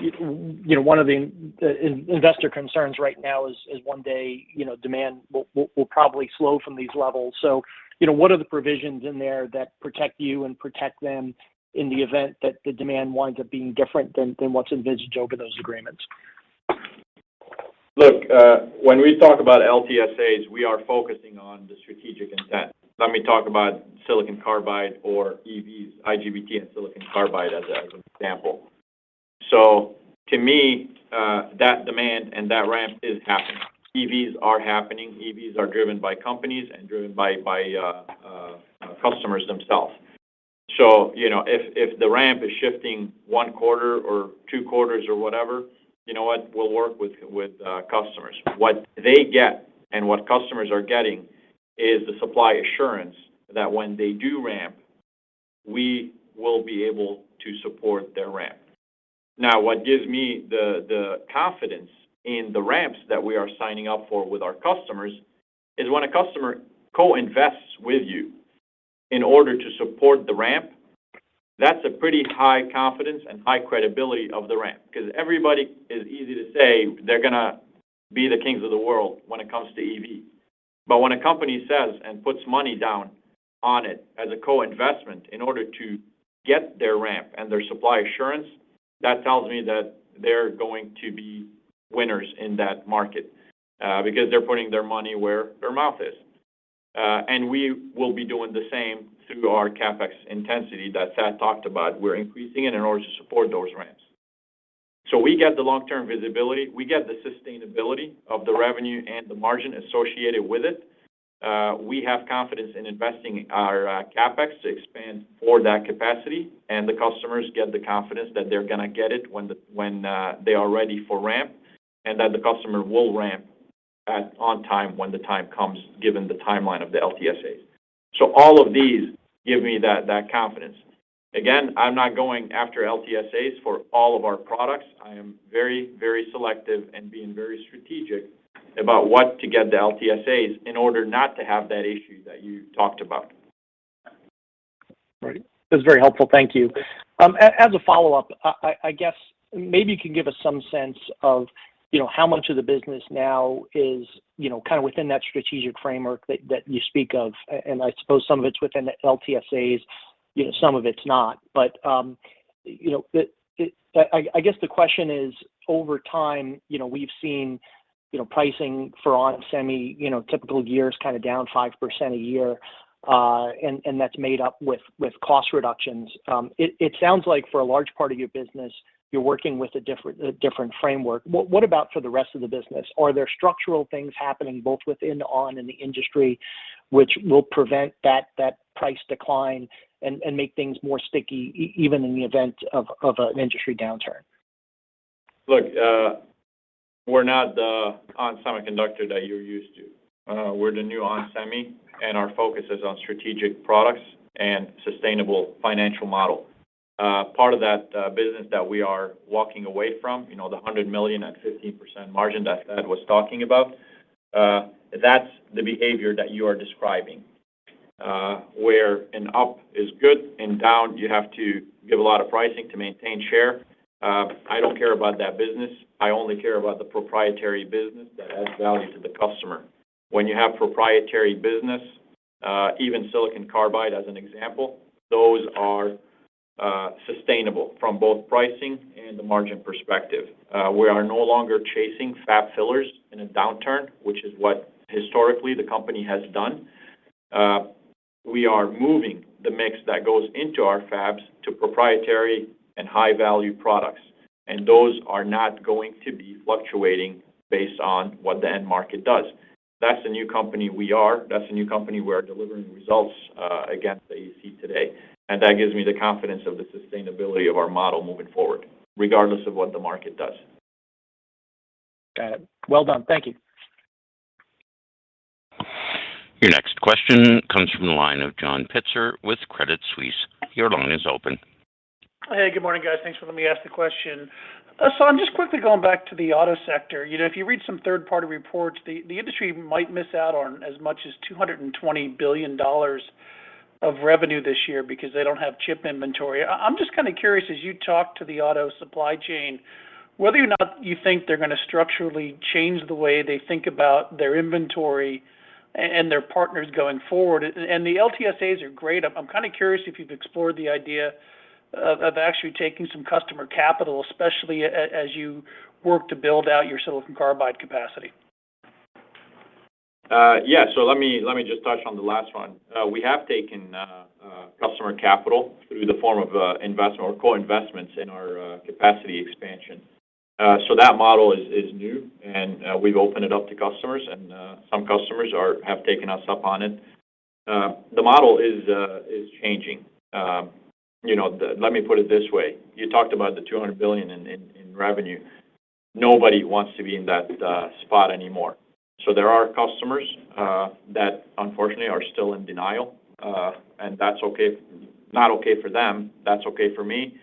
you know, one of the investor concerns right now is one day, you know, demand will probably slow from these levels. You know, what are the provisions in there that protect you and protect them in the event that the demand winds up being different than what's envisaged over those agreements? Look, when we talk about LTSAs, we are focusing on the strategic intent. Let me talk about silicon carbide or EVs, IGBT and silicon carbide as an example. To me, that demand and that ramp is happening. EVs are happening. EVs are driven by companies and driven by customers themselves. You know, if the ramp is shifting one quarter or two quarters or whatever, you know what? We'll work with customers. What they get and what customers are getting is the supply assurance that when they do ramp, we will be able to support their ramp. Now, what gives me the confidence in the ramps that we are signing up for with our customers is when a customer co-invests with you in order to support the ramp, that's a pretty high confidence and high credibility of the ramp. 'Cause everybody is easy to say they're gonna be the kings of the world when it comes to EV. But when a company says and puts money down on it as a co-investment in order to get their ramp and their supply assurance, that tells me that they're going to be winners in that market, because they're putting their money where their mouth is. We will be doing the same through our CapEx intensity that Thad talked about. We're increasing it in order to support those ramps. We get the long-term visibility, we get the sustainability of the revenue and the margin associated with it. We have confidence in investing our CapEx to expand for that capacity, and the customers get the confidence that they're gonna get it when they are ready for ramp, and that the customer will ramp at on time when the time comes, given the timeline of the LTSAs. All of these give me that confidence. Again, I'm not going after LTSAs for all of our products. I am very, very selective and being very strategic about what to get the LTSAs in order not to have that issue that you talked about. Great. That's very helpful. Thank you. As a follow-up, I guess maybe you can give us some sense of, you know, how much of the business now is, you know, kind of within that strategic framework that you speak of. And I suppose some of it's within the LTSAs. You know, some of it's not. I guess the question is, over time, you know, we've seen, you know, pricing for onsemi, you know, typical years kind of down 5% a year, and that's made up with cost reductions. It sounds like for a large part of your business you're working with a different framework. What about for the rest of the business? Are there structural things happening both within ON and the industry which will prevent that price decline and make things more sticky even in the event of an industry downturn? Look, we're not the ON Semiconductor that you're used to. We're the new onsemi, and our focus is on strategic products and sustainable financial model. Part of that business that we are walking away from, you know, the $100 million at 15% margin that Thad was talking about, that's the behavior that you are describing. Where an up is good and down you have to give a lot of pricing to maintain share. I don't care about that business. I only care about the proprietary business that adds value to the customer. When you have proprietary business, even silicon carbide as an example, those are sustainable from both pricing and the margin perspective. We are no longer chasing fab fillers in a downturn, which is what historically the company has done. We are moving the mix that goes into our fabs to proprietary and high-value products, and those are not going to be fluctuating based on what the end market does. That's the new company we are delivering results against that you see today. That gives me the confidence of the sustainability of our model moving forward, regardless of what the market does. Got it. Well done. Thank you. Your next question comes from the line of John Pitzer with Credit Suisse. Your line is open. Hey, good morning, guys. Thanks for letting me ask the question. So I'm just quickly going back to the auto sector. You know, if you read some third-party reports, the industry might miss out on as much as $220 billion of revenue this year because they don't have chip inventory. I'm just kinda curious, as you talk to the auto supply chain, whether or not you think they're gonna structurally change the way they think about their inventory and their partners going forward. The LTSAs are great. I'm kinda curious if you've explored the idea of actually taking some customer capital, especially as you work to build out your silicon carbide capacity. Let me just touch on the last one. We have taken customer capital in the form of investment or co-investments in our capacity expansion. That model is new and we've opened it up to customers and some customers have taken us up on it. The model is changing. Let me put it this way. You talked about the $200 billion in revenue. Nobody wants to be in that spot anymore. There are customers that unfortunately are still in denial and that's okay. Not okay for them, that's okay for me.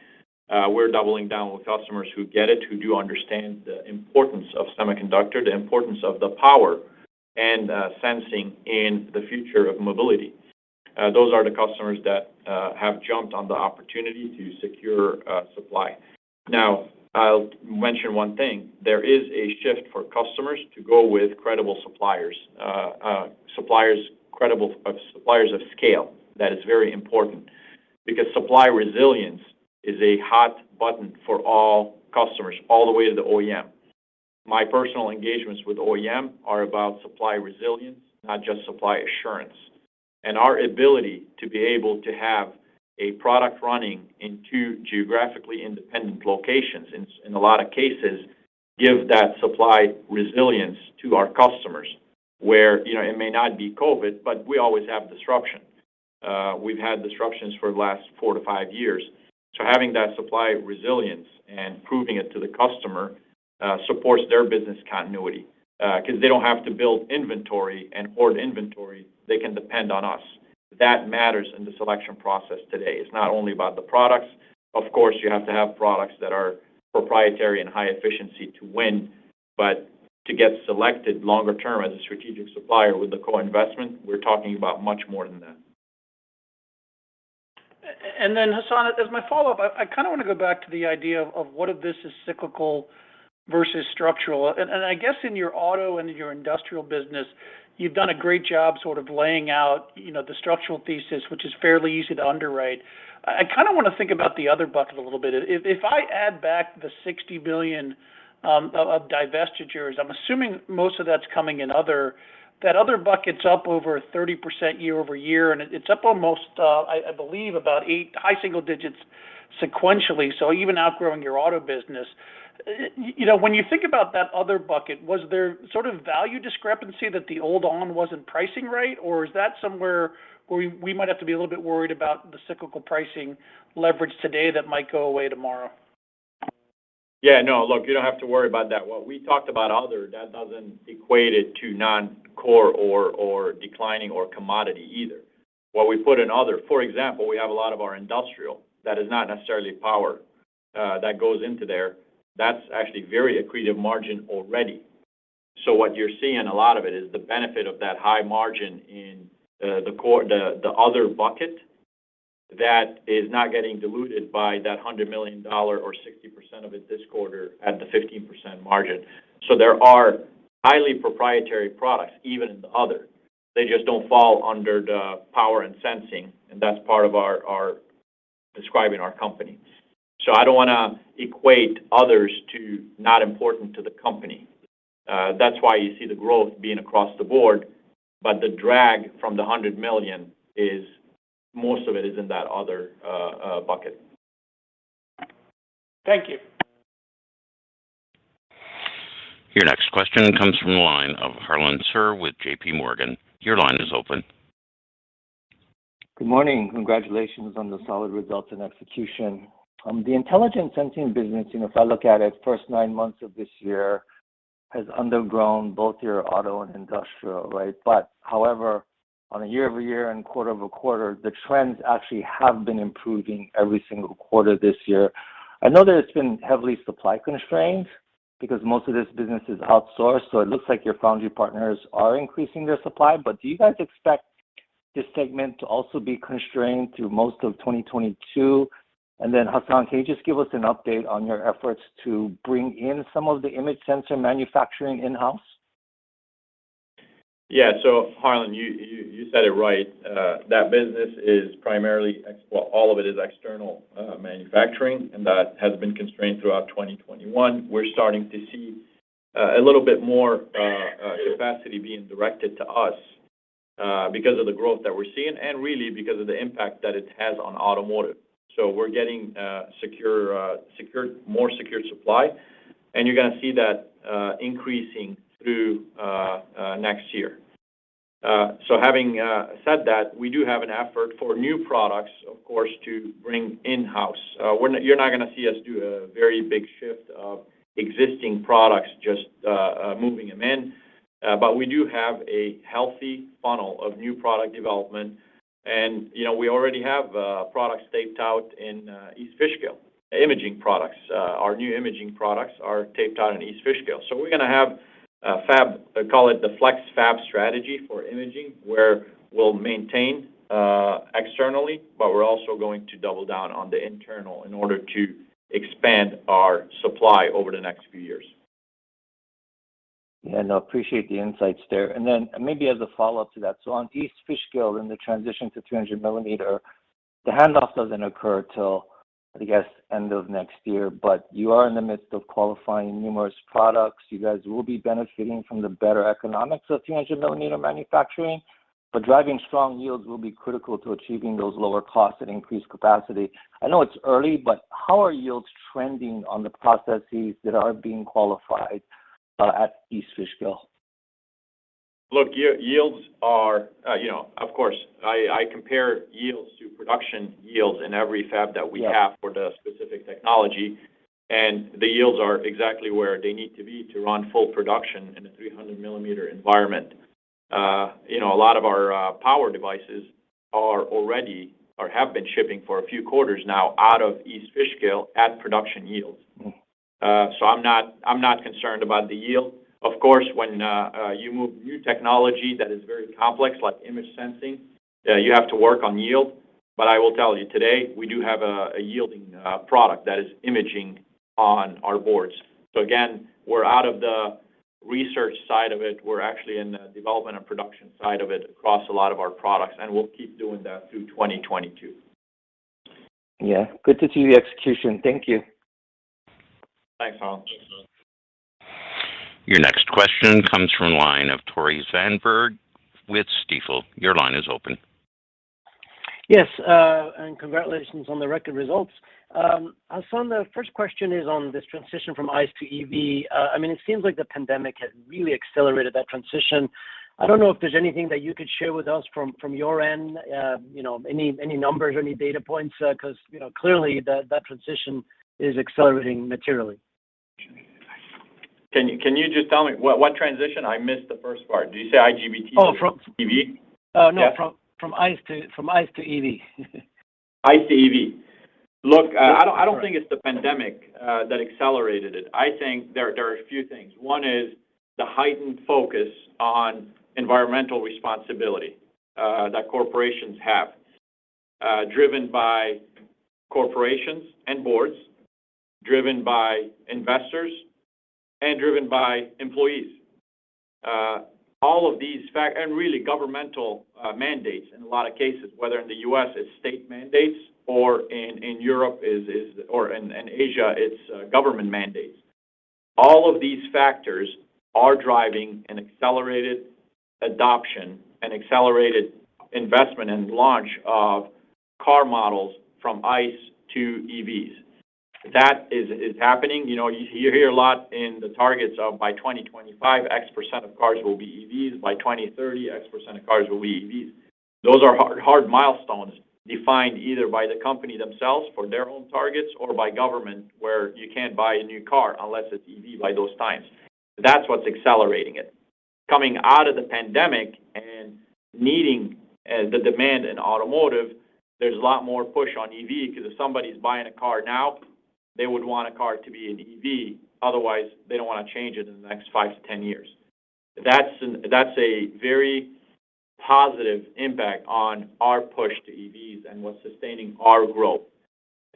We're doubling down with customers who get it, who do understand the importance of semiconductor, the importance of the power and sensing in the future of mobility. Those are the customers that have jumped on the opportunity to secure supply. Now, I'll mention one thing. There is a shift for customers to go with credible suppliers. Credible suppliers of scale. That is very important because supply resilience is a hot button for all customers, all the way to the OEM. My personal engagements with OEM are about supply resilience, not just supply assurance. Our ability to be able to have a product running in two geographically independent locations in a lot of cases give that supply resilience to our customers, where, you know, it may not be COVID, but we always have disruption. We've had disruptions for the last four to five years. Having that supply resilience and proving it to the customer supports their business continuity, because they don't have to build inventory and hoard inventory. They can depend on us. That matters in the selection process today. It's not only about the products. Of course, you have to have products that are proprietary and high efficiency to win. To get selected longer term as a strategic supplier with a co-investment, we're talking about much more than that. Hassane, as my follow-up, I kinda wanna go back to the idea of what of this is cyclical versus structural. I guess in your auto and your industrial business, you've done a great job sort of laying out, you know, the structural thesis, which is fairly easy to underwrite. I kinda wanna think about the other bucket a little bit. If I add back the $60 billion of divestitures, I'm assuming most of that's coming in other. That other bucket's up over 30% year-over-year, and it's up almost, I believe high single digits sequentially, so even outgrowing your auto business. You know, when you think about that other bucket, was there sort of value discrepancy that the old ON wasn't pricing right, or is that somewhere where we might have to be a little bit worried about the cyclical pricing leverage today that might go away tomorrow? No. Look, you don't have to worry about that. What we talked about other, that doesn't equate it to non-core or declining or commodity either. What we put in other, for example, we have a lot of our industrial that is not necessarily power, that goes into there. That's actually very accretive margin already. So what you're seeing a lot of it is the benefit of that high margin in the other bucket that is not getting diluted by that $100 million or 60% of it this quarter at the 15% margin. So there are highly proprietary products, even in the other. They just don't fall under the power and sensing, and that's part of our describing our company. So I don't want to equate others to not important to the company. That's why you see the growth being across the board. The drag from the $100 million is most of it in that other bucket. Thank you. Your next question comes from the line of Harlan Sur with JPMorgan. Your line is open. Good morning. Congratulations on the solid results and execution. The intelligent sensing business, you know, if I look at it, first nine months of this year has undergrown both your auto and industrial, right? However, on a year-over-year and quarter-over-quarter, the trends actually have been improving every single quarter this year. I know that it's been heavily supply constrained because most of this business is outsourced, so it looks like your foundry partners are increasing their supply. Do you guys expect this segment to also be constrained through most of 2022? And then Hassane, can you just give us an update on your efforts to bring in some of the image sensor manufacturing in-house? Harlan, you said it right. That business is primarily external manufacturing, and that has been constrained throughout 2021. We're starting to see a little bit more capacity being directed to us because of the growth that we're seeing and really because of the impact that it has on automotive. We're getting more secure supply, and you're gonna see that increasing through next year. Having said that, we do have an effort for new products, of course, to bring in-house. You're not gonna see us do a very big shift of existing products, just moving them in. We do have a healthy funnel of new product development. You know, we already have products taped out in East Fishkill, imaging products. Our new imaging products are taped out in East Fishkill. We're gonna have a fab, call it the flex fab strategy for imaging, where we'll maintain externally, but we're also going to double down on the internal in order to expand our supply over the next few years. No, appreciate the insights there. Then maybe as a follow-up to that, so on East Fishkill, in the transition to 300 mm, the handoff doesn't occur till, I guess, end of next year, but you are in the midst of qualifying numerous products. You guys will be benefiting from the better economics of 300 mm manufacturing. Driving strong yields will be critical to achieving those lower costs at increased capacity. I know it's early, but how are yields trending on the processes that are being qualified at East Fishkill? Look, yields are, you know, of course, I compare yields to production yields in every fab that we have for the specific technology, and the yields are exactly where they need to be to run full production in a 300 mm environment. You know, a lot of our power devices are already or have been shipping for a few quarters now out of East Fishkill at production yields. I'm not concerned about the yield. Of course, when you move new technology that is very complex, like image sensing, you have to work on yield. I will tell you today, we do have a yielding product that is imaging on our boards. Again, we're out of the research side of it. We're actually in the development and production side of it across a lot of our products, and we'll keep doing that through 2022. Good to see the execution. Thank you. Thanks, Harlan. Your next question comes from the line of Tore Svanberg with Stifel. Your line is open. Yes, congratulations on the record results. Hassane, the first question is on this transition from ICE to EV. I mean, it seems like the pandemic has really accelerated that transition. I don't know if there's anything that you could share with us from your end, you know, any numbers or any data points, 'cause, you know, clearly that transition is accelerating materially. Can you just tell me what transition? I missed the first part. Did you say IGBT to EV? No. From ICE to EV. ICE to EV. Look, I don't think it's the pandemic that accelerated it. I think there are a few things. One is the heightened focus on environmental responsibility that corporations have, driven by corporations and boards, driven by investors, and driven by employees. All of these and really governmental mandates in a lot of cases, whether in the U.S. it's state mandates or in Europe, or in Asia it's government mandates. All of these factors are driving an accelerated adoption and accelerated investment and launch of car models from ICE to EVs. That is happening. You know, you hear a lot about the targets of by 2025, X percent of cars will be EVs. By 2030, X percent of cars will be EVs. Those are hard milestones defined either by the company themselves for their own targets or by government, where you can't buy a new car unless it's EV by those times. That's what's accelerating it. Coming out of the pandemic and needing the demand in automotive, there's a lot more push on EV, 'cause if somebody's buying a car now, they would want a car to be an EV. Otherwise, they don't wanna change it in the next five to 10 years. That's a very positive impact on our push to EVs and what's sustaining our growth.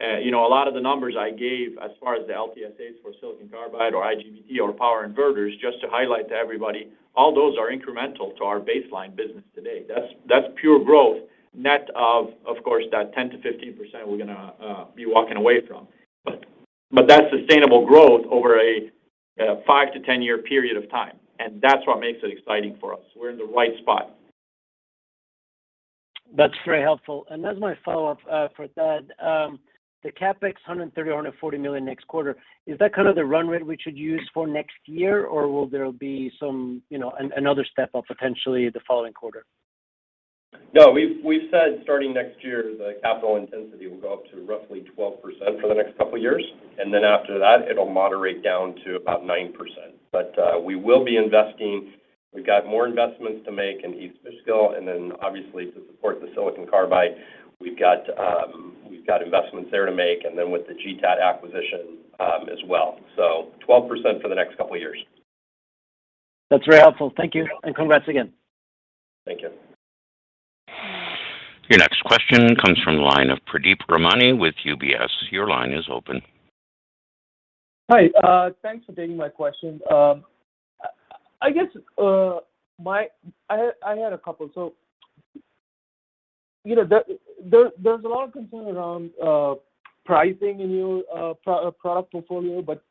You know, a lot of the numbers I gave as far as the LTSAs for silicon carbide or IGBT or power inverters, just to highlight to everybody, all those are incremental to our baseline business today. That's pure growth, net of course, that 10%-15% we're gonna be walking away from. That's sustainable growth over a five to 10-year period of time, and that's what makes it exciting for us. We're in the right spot. That's very helpful. As my follow-up, for Thad, the CapEx $130million-$140 million next quarter, is that kind of the run rate we should use for next year, or will there be some, you know, another step up potentially the following quarter? No. We've said starting next year, the capital intensity will go up to roughly 12% for the next couple years, and then after that it'll moderate down to about 9%. We will be investing. We've got more investments to make in East Fishkill, and then obviously to support the silicon carbide, we've got investments there to make, and then with the GTAT acquisition, as well. 12% for the next couple years. That's very helpful. Thank you. Congrats again. Thank you. Your next question comes from the line of Pradeep Ramani with UBS. Your line is open. Hi. Thanks for taking my question. I guess, I had a couple. You know, there's a lot of concern around pricing in your product portfolio, but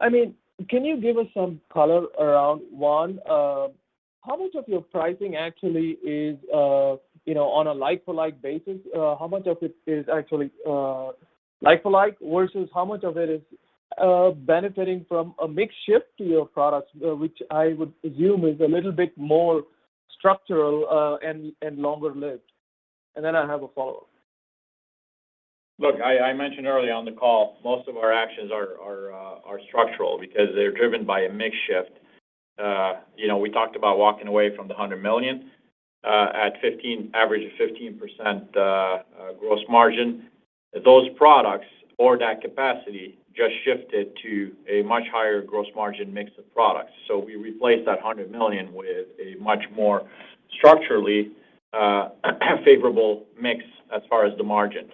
I mean, can you give us some color around, one, how much of your pricing actually is, you know, on a like-for-like basis? How much of it is actually like for like, versus how much of it is benefiting from a mix shift to your products, which I would assume is a little bit more structural and longer-lived? Then I have a follow-up. Look, I mentioned earlier on the call, most of our actions are structural because they're driven by a mix shift. You know, we talked about walking away from the $100 million at 15%, average of 15% gross margin. Those products or that capacity just shifted to a much higher gross margin mix of products. We replaced that $100 million with a much more structurally favorable mix as far as the margin.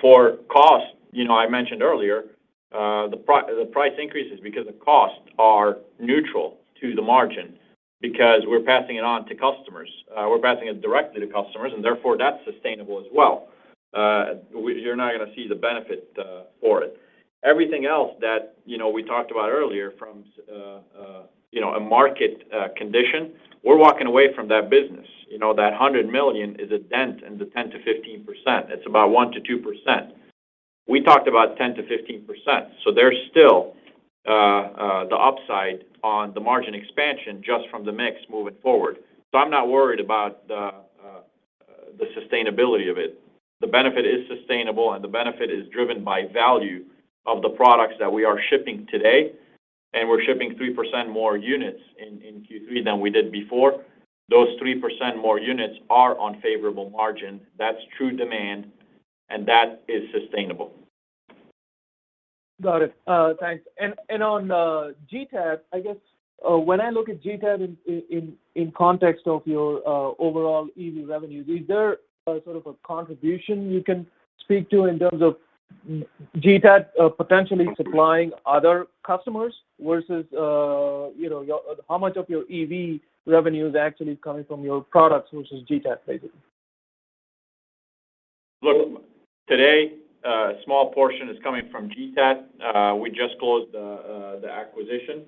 For cost, you know, I mentioned earlier, the price increases because the costs are neutral to the margin because we're passing it on to customers. We're passing it directly to customers and therefore that's sustainable as well. You're not gonna see the benefit for it. Everything else that, you know, we talked about earlier from a market condition, we're walking away from that business. You know, that $100 million is a dent in the 10%-15%. It's about 1%-2%. We talked about 10%-15%, so there's still the upside on the margin expansion just from the mix moving forward. I'm not worried about the sustainability of it. The benefit is sustainable, and the benefit is driven by value of the products that we are shipping today, and we're shipping 3% more units in Q3 than we did before. Those 3% more units are on favorable margin. That's true demand, and that is sustainable. Got it. Thanks. On GTAT, I guess, when I look at GTAT in context of your overall EV revenue, is there a sort of a contribution you can speak to in terms of GTAT potentially supplying other customers versus, you know, your products? How much of your EV revenue is actually coming from your products versus GTAT-based? Look, today, a small portion is coming from GTAT. We just closed the acquisition.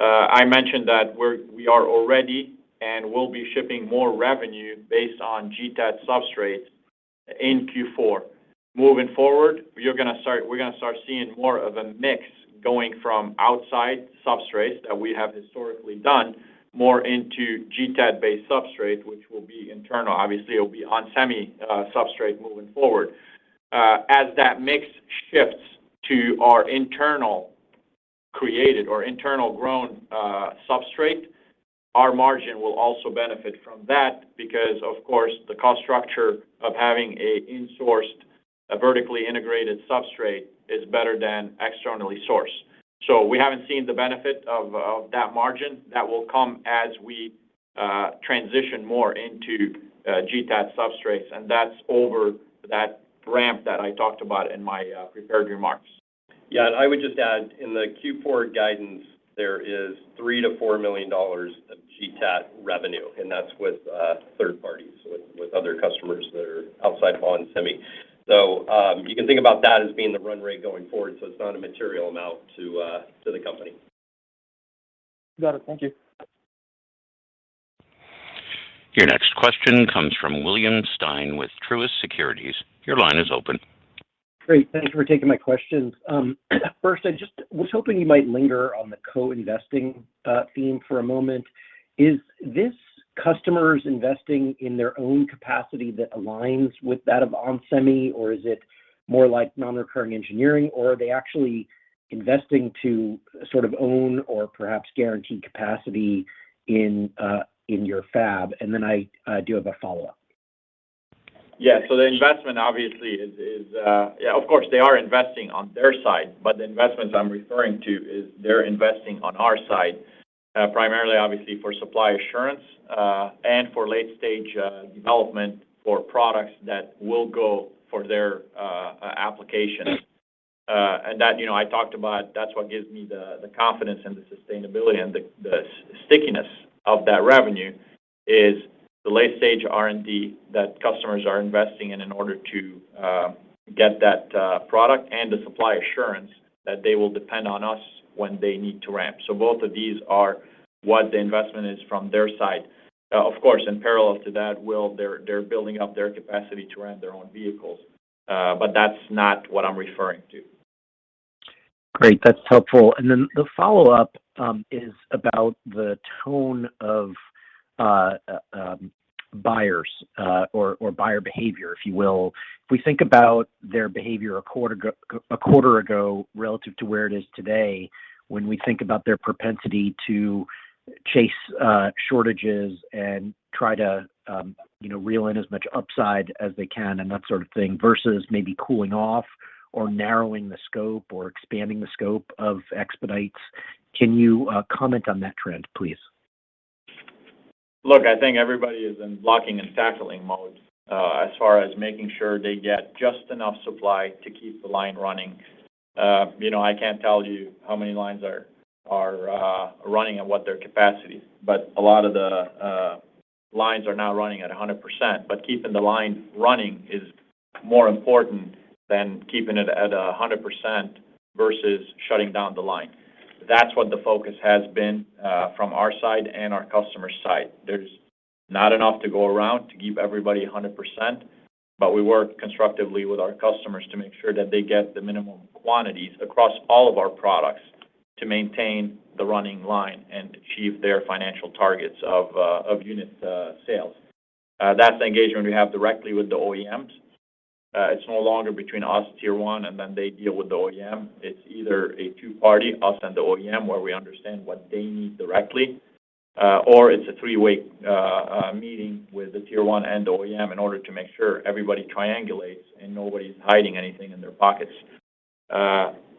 I mentioned that we are already and will be shipping more revenue based on GTAT substrates in Q4. Moving forward, we're gonna start seeing more of a mix going from outside substrates that we have historically done more into GTAT-based substrates, which will be internal. Obviously, it'll be onsemi substrate moving forward. As that mix shifts to our internal created or internal grown substrate, our margin will also benefit from that because of course the cost structure of having an insourced, a vertically integrated substrate is better than externally sourced. We haven't seen the benefit of that margin. That will come as we transition more into GTAT substrates, and that's over that ramp that I talked about in my prepared remarks. Yeah. I would just add, in the Q4 guidance, there is $3 million-$4 million of GTAT revenue, and that's with third parties, with other customers that are outside of onsemi. You can think about that as being the run rate going forward, so it's not a material amount to the company. Got it. Thank you. Your next question comes from William Stein with Truist Securities. Your line is open. Great. Thank you for taking my questions. First, I just was hoping you might linger on the co-investing theme for a moment. Is this customers investing in their own capacity that aligns with that of onsemi, or is it more like non-recurring engineering, or are they actually investing to sort of own or perhaps guarantee capacity in your fab? I do have a follow-up. The investment obviously is. Of course, they are investing on their side, but the investments I'm referring to are they're investing on our side, primarily obviously for supply assurance and for late stage development for products that will go for their application. And that I talked about that's what gives me the confidence and the sustainability and the stickiness of that revenue is the late stage R&D that customers are investing in in order to get that product and the supply assurance that they will depend on us when they need to ramp. Both of these are what the investment is from their side. Of course, in parallel to that while they're building up their capacity to ramp their own vehicles, but that's not what I'm referring to. Great. That's helpful. The follow-up is about the tone of buyers or buyer behavior, if you will. If we think about their behavior a quarter ago relative to where it is today, when we think about their propensity to chase shortages and try to you know reel in as much upside as they can and that sort of thing, versus maybe cooling off or narrowing the scope or expanding the scope of expedites, can you comment on that trend, please? Look, I think everybody is in blocking and tackling mode, as far as making sure they get just enough supply to keep the line running. You know, I can't tell you how many lines are running and what their capacity is, but a lot of the lines are now running at 100%. Keeping the line running is more important than keeping it at 100% versus shutting down the line. That's what the focus has been, from our side and our customer side. There's not enough to go around to give everybody 100%, but we work constructively with our customers to make sure that they get the minimum quantities across all of our products to maintain the running line and achieve their financial targets of unit sales. That's the engagement we have directly with the OEMs. It's no longer between us Tier 1, and then they deal with the OEM. It's either a two-party, us and the OEM, where we understand what they need directly, or it's a three-way meeting with the Tier 1 and the OEM in order to make sure everybody triangulates and nobody's hiding anything in their pockets.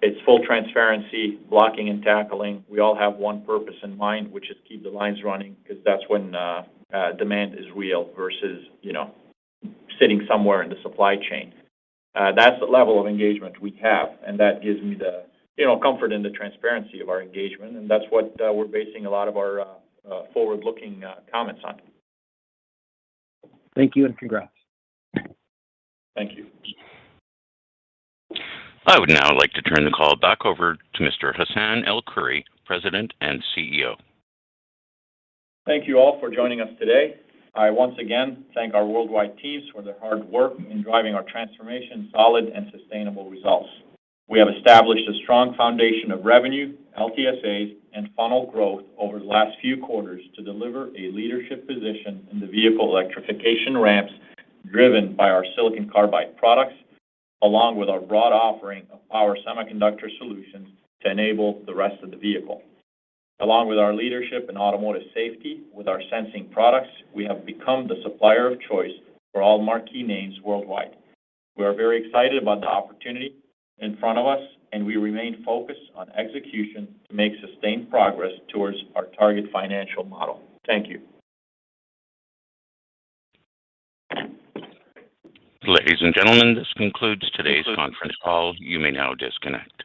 It's full transparency, blocking and tackling. We all have one purpose in mind, which is keep the lines running because that's when demand is real versus, you know, sitting somewhere in the supply chain. That's the level of engagement we have, and that gives me the, you know, comfort and the transparency of our engagement, and that's what we're basing a lot of our forward-looking comments on. Thank you, and congrats. Thank you. I would now like to turn the call back over to Mr. Hassane El-Khoury, President and CEO. Thank you all for joining us today. I once again thank our worldwide teams for their hard work in driving our transformation to solid and sustainable results. We have established a strong foundation of revenue, LTSAs, and funnel growth over the last few quarters to deliver a leadership position in the vehicle electrification ramps driven by our silicon carbide products, along with our broad offering of power semiconductor solutions to enable the rest of the vehicle. Along with our leadership in automotive safety with our sensing products, we have become the supplier of choice for all marquee names worldwide. We are very excited about the opportunity in front of us, and we remain focused on execution to make sustained progress towards our target financial model. Thank you. Ladies and gentlemen, this concludes today's conference call. You may now disconnect.